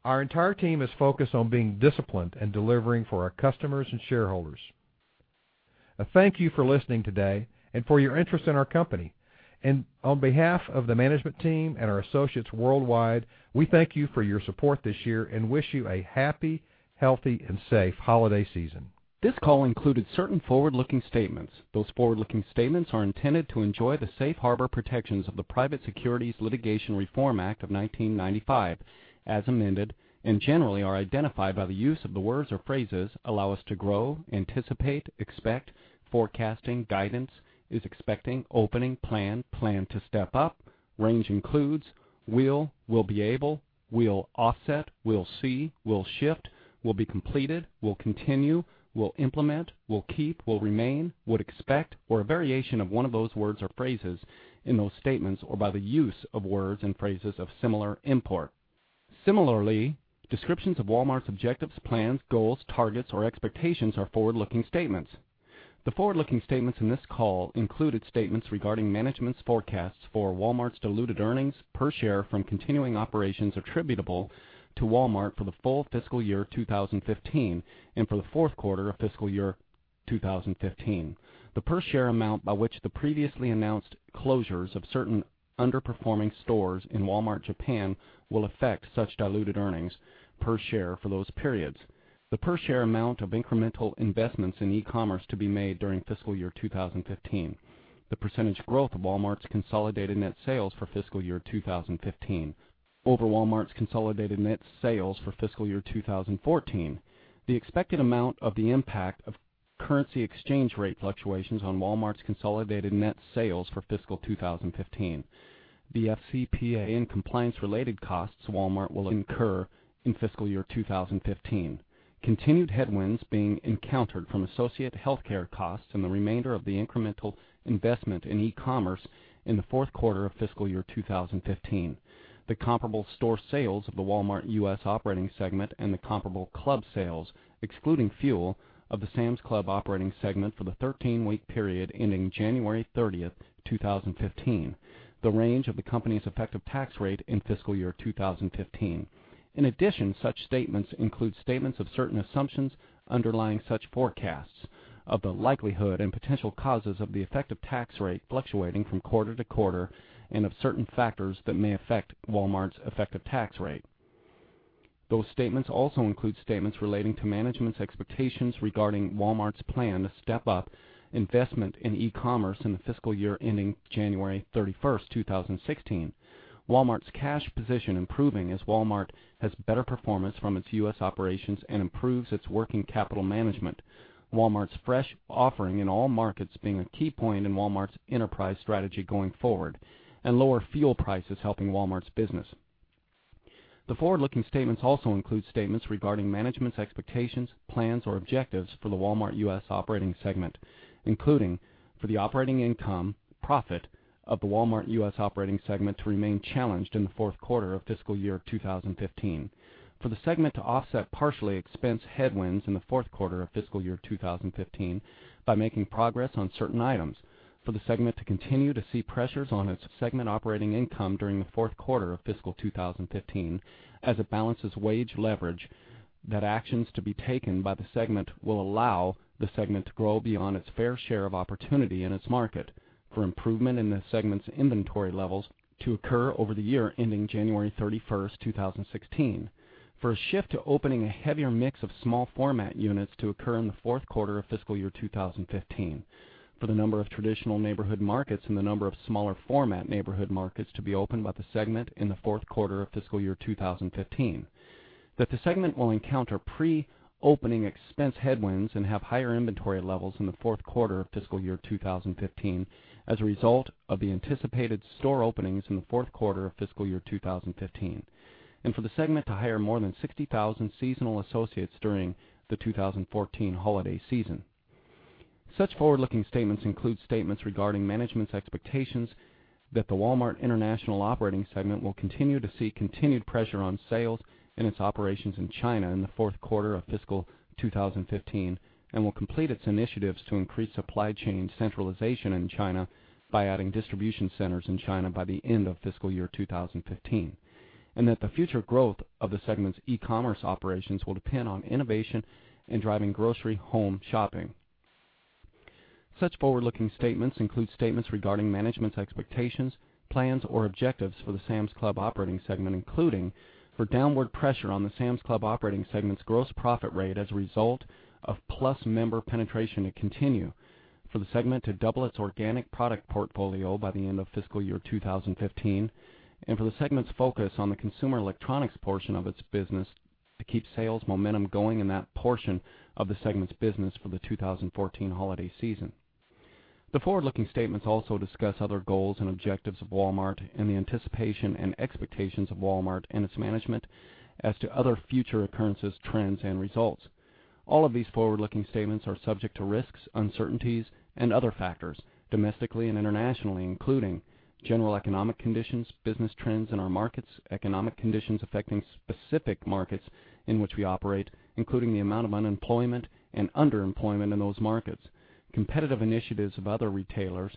Our entire team is focused on being disciplined and delivering for our customers and shareholders. Thank you for listening today and for your interest in our company. On behalf of the management team and our associates worldwide, we thank you for your support this year and wish you a happy, healthy, and safe holiday season. This call included certain forward-looking statements. Those forward-looking statements are intended to enjoy the safe harbor protections of the Private Securities Litigation Reform Act of 1995, as amended, and generally are identified by the use of the words or phrases "allow us to grow," "anticipate," "expect," "forecasting," "guidance," "is expecting," "opening," "plan," "plan to step up," "range includes," "will," "will be able," "will offset," "will see," "will shift," "will be completed," "will continue," "will implement," "will keep," "will remain," "would expect," or a variation of one of those words or phrases in those statements, or by the use of words and phrases of similar import. Similarly, descriptions of Walmart's objectives, plans, goals, targets, or expectations are forward-looking statements. The forward-looking statements in this call included statements regarding management's forecasts for Walmart's diluted earnings per share from continuing operations attributable to Walmart for the full fiscal year 2015 and for the fourth quarter of fiscal year 2015. The per share amount by which the previously announced closures of certain underperforming stores in Walmart Japan will affect such diluted earnings per share for those periods. The per share amount of incremental investments in e-commerce to be made during fiscal year 2015. The percentage growth of Walmart's consolidated net sales for fiscal year 2015 over Walmart's consolidated net sales for fiscal year 2014. The expected amount of the impact of currency exchange rate fluctuations on Walmart's consolidated net sales for fiscal 2015. The FCPA and compliance-related costs Walmart will incur in fiscal year 2015. Continued headwinds being encountered from associate healthcare costs and the remainder of the incremental investment in e-commerce in the fourth quarter of fiscal year 2015. The comparable store sales of the Walmart U.S. operating segment and the comparable club sales, excluding fuel, of the Sam's Club operating segment for the 13-week period ending January 30th, 2015. The range of the company's effective tax rate in fiscal year 2015. Such statements include statements of certain assumptions underlying such forecasts of the likelihood and potential causes of the effective tax rate fluctuating from quarter to quarter and of certain factors that may affect Walmart's effective tax rate. Those statements also include statements relating to management's expectations regarding Walmart's plan to step up investment in e-commerce in the fiscal year ending January 31st, 2016. Walmart's cash position improving as Walmart has better performance from its U.S. operations and improves its working capital management. Walmart's fresh offering in all markets being a key point in Walmart's enterprise strategy going forward, and lower fuel prices helping Walmart's business. The forward-looking statements also include statements regarding management's expectations, plans, or objectives for the Walmart U.S. operating segment, including for the operating income profit of the Walmart U.S. operating segment to remain challenged in the fourth quarter of fiscal year 2015. For the segment to offset partially expense headwinds in the fourth quarter of fiscal year 2015 by making progress on certain items. For the segment to continue to see pressures on its segment operating income during the fourth quarter of fiscal 2015 as it balances wage leverage. That actions to be taken by the segment will allow the segment to grow beyond its fair share of opportunity in its market. For improvement in the segment's inventory levels to occur over the year ending January 31st, 2016. For a shift to opening a heavier mix of small format units to occur in the fourth quarter of fiscal year 2015. For the number of traditional Neighborhood Markets and the number of smaller-format Neighborhood Markets to be opened by the segment in the fourth quarter of fiscal year 2015. That the segment will encounter pre-opening expense headwinds and have higher inventory levels in the fourth quarter of fiscal year 2015 as a result of the anticipated store openings in the fourth quarter of fiscal year 2015. For the segment to hire more than 60,000 seasonal associates during the 2014 holiday season. Such forward-looking statements include statements regarding management's expectations that the Walmart International operating segment will continue to see continued pressure on sales in its operations in China in the fourth quarter of fiscal 2015 and will complete its initiatives to increase supply chain centralization in China by adding distribution centers in China by the end of fiscal year 2015. That the future growth of the segment's e-commerce operations will depend on innovation and driving grocery home shopping. Such forward-looking statements include statements regarding management's expectations, plans, or objectives for the Sam's Club operating segment, including for downward pressure on the Sam's Club operating segment's gross profit rate as a result of Plus member penetration to continue. For the segment to double its organic product portfolio by the end of fiscal year 2015, for the segment's focus on the consumer electronics portion of its business to keep sales momentum going in that portion of the segment's business for the 2014 holiday season. The forward-looking statements also discuss other goals and objectives of Walmart and the anticipation and expectations of Walmart and its management as to other future occurrences, trends, and results. All of these forward-looking statements are subject to risks, uncertainties, and other factors, domestically and internationally, including general economic conditions, business trends in our markets, economic conditions affecting specific markets in which we operate, including the amount of unemployment and underemployment in those markets, competitive initiatives of other retailers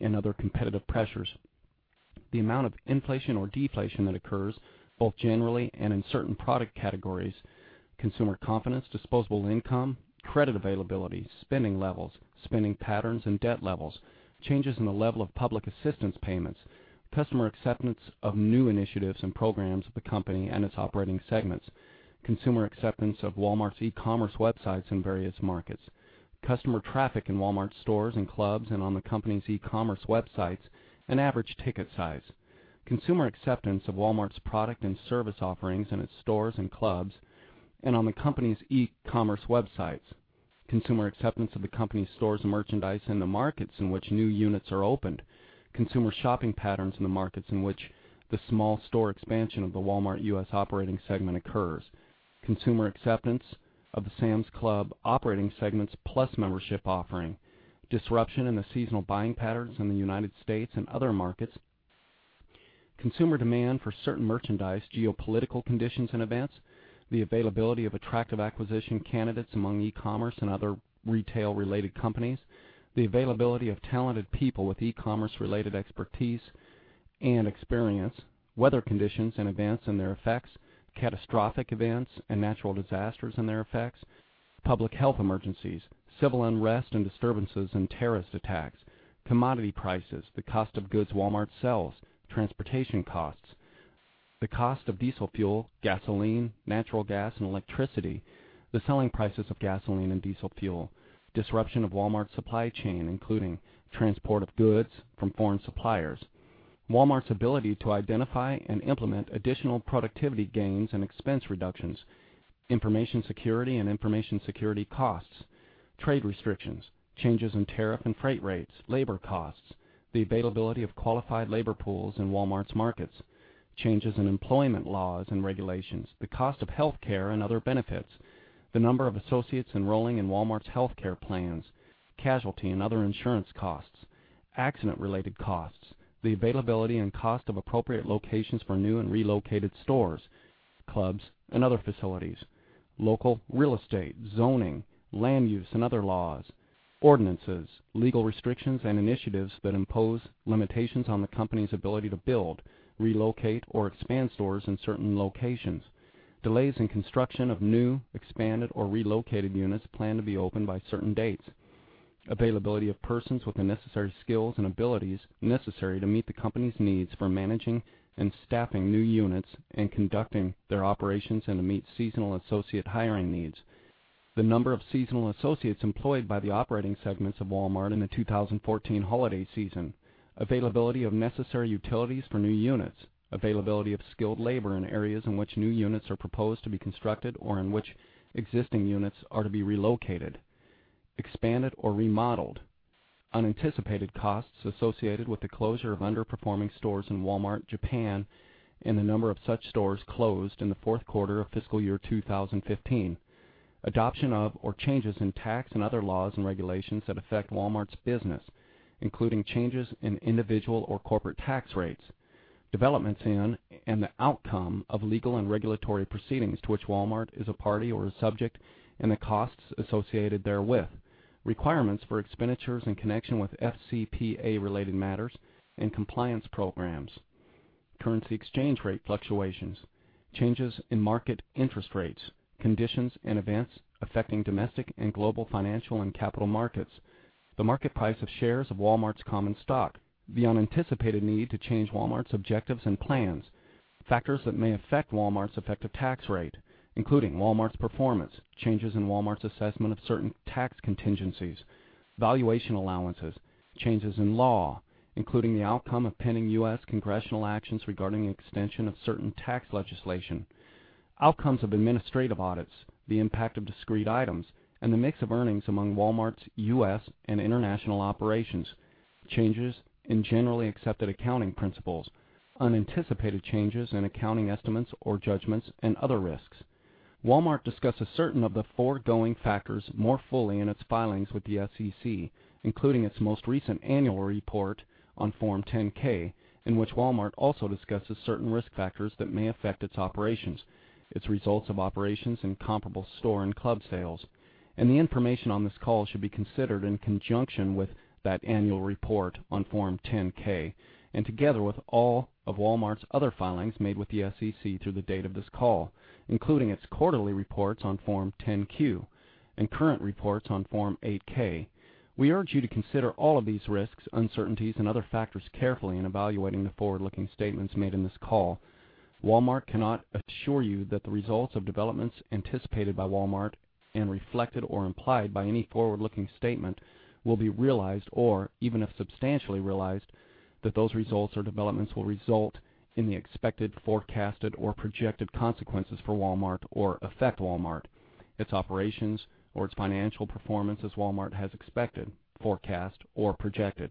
and other competitive pressures, the amount of inflation or deflation that occurs both generally and in certain product categories, consumer confidence, disposable income, credit availability, spending levels, spending patterns and debt levels, changes in the level of public assistance payments, customer acceptance of new initiatives and programs of the company and its operating segments, consumer acceptance of Walmart's e-commerce websites in various markets, customer traffic in Walmart stores and clubs and on the company's e-commerce websites, and average ticket size. Consumer acceptance of Walmart's product and service offerings in its stores and clubs and on the company's e-commerce websites. Consumer acceptance of the company's stores and merchandise in the markets in which new units are opened. Consumer shopping patterns in the markets in which the small store expansion of the Walmart U.S. operating segment occurs. Consumer acceptance of the Sam's Club operating segment's Plus membership offering. Disruption in the seasonal buying patterns in the United States and other markets. Consumer demand for certain merchandise, geopolitical conditions and events, the availability of attractive acquisition candidates among e-commerce and other retail-related companies, the availability of talented people with e-commerce related expertise and experience, weather conditions and events and their effects, catastrophic events and natural disasters and their effects, public health emergencies, civil unrest and disturbances and terrorist attacks, commodity prices, the cost of goods Walmart sells, transportation costs, the cost of diesel fuel, gasoline, natural gas, and electricity, the selling prices of gasoline and diesel fuel, disruption of Walmart's supply chain, including transport of goods from foreign suppliers, Walmart's ability to identify and implement additional productivity gains and expense reductions, information security and information security costs, trade restrictions, changes in tariff and freight rates, labor costs, the availability of qualified labor pools in Walmart's markets, changes in employment laws and regulations, the cost of healthcare and other benefits, the number of associates enrolling in Walmart's healthcare plans, casualty and other insurance costs, accident-related costs, the availability and cost of appropriate locations for new and relocated stores, clubs, and other facilities, local real estate, zoning, land use, and other laws, ordinances, legal restrictions, and initiatives that impose limitations on the company's ability to build, relocate, or expand stores in certain locations, delays in construction of new, expanded, or relocated units planned to be opened by certain dates, availability of persons with the necessary skills and abilities necessary to meet the company's needs for managing and staffing new units and conducting their operations and to meet seasonal associate hiring needs. The number of seasonal associates employed by the operating segments of Walmart in the 2014 holiday season, availability of necessary utilities for new units, availability of skilled labor in areas in which new units are proposed to be constructed or in which existing units are to be relocated, expanded, or remodeled. Unanticipated costs associated with the closure of underperforming stores in Walmart Japan and the number of such stores closed in the fourth quarter of fiscal year 2015. Adoption of or changes in tax and other laws and regulations that affect Walmart's business, including changes in individual or corporate tax rates. Developments in and the outcome of legal and regulatory proceedings to which Walmart is a party or a subject and the costs associated therewith. Requirements for expenditures in connection with FCPA related matters and compliance programs. Currency exchange rate fluctuations. Changes in market interest rates. Conditions and events affecting domestic and global financial and capital markets. The market price of shares of Walmart's common stock. The unanticipated need to change Walmart's objectives and plans. Factors that may affect Walmart's effective tax rate, including Walmart's performance, changes in Walmart's assessment of certain tax contingencies, valuation allowances, changes in law, including the outcome of pending U.S. congressional actions regarding extension of certain tax legislation, outcomes of administrative audits, the impact of discrete items, and the mix of earnings among Walmart's U.S. and international operations, changes in generally accepted accounting principles, unanticipated changes in accounting estimates or judgments, and other risks. Walmart discusses certain of the foregoing factors more fully in its filings with the SEC, including its most recent annual report on Form 10-K, in which Walmart also discusses certain risk factors that may affect its operations, its results of operations, and comparable store and club sales. The information on this call should be considered in conjunction with that annual report on Form 10-K and together with all of Walmart's other filings made with the SEC through the date of this call, including its quarterly reports on Form 10-Q and current reports on Form 8-K. We urge you to consider all of these risks, uncertainties, and other factors carefully in evaluating the forward-looking statements made in this call. Walmart cannot assure you that the results of developments anticipated by Walmart and reflected or implied by any forward-looking statement will be realized or, even if substantially realized, that those results or developments will result in the expected, forecasted, or projected consequences for Walmart or affect Walmart, its operations, or its financial performance as Walmart has expected, forecast, or projected.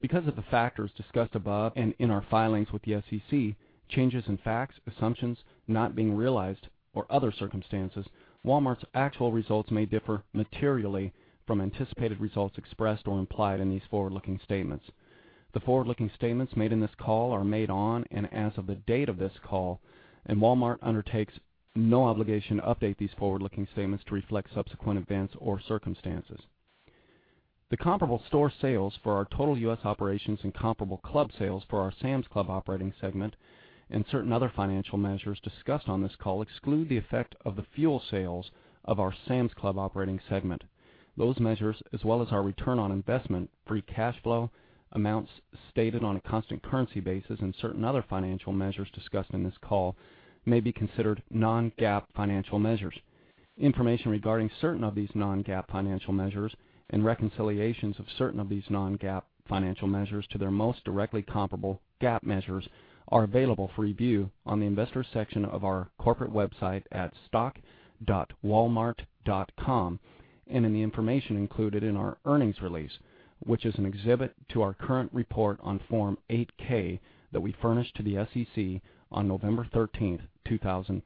Because of the factors discussed above and in our filings with the SEC, changes in facts, assumptions not being realized, or other circumstances, Walmart's actual results may differ materially from anticipated results expressed or implied in these forward-looking statements. The forward-looking statements made in this call are made on and as of the date of this call, and Walmart undertakes no obligation to update these forward-looking statements to reflect subsequent events or circumstances. The comparable store sales for our total U.S. operations and comparable club sales for our Sam's Club operating segment and certain other financial measures discussed on this call exclude the effect of the fuel sales of our Sam's Club operating segment. Those measures, as well as our return on investment, free cash flow amounts stated on a constant currency basis, and certain other financial measures discussed in this call may be considered non-GAAP financial measures. Information regarding certain of these non-GAAP financial measures and reconciliations of certain of these non-GAAP financial measures to their most directly comparable GAAP measures are available for review on the investor section of our corporate website at stock.walmart.com and in the information included in our earnings release, which is an exhibit to our current report on Form 8-K that we furnished to the SEC on November 13, 2015.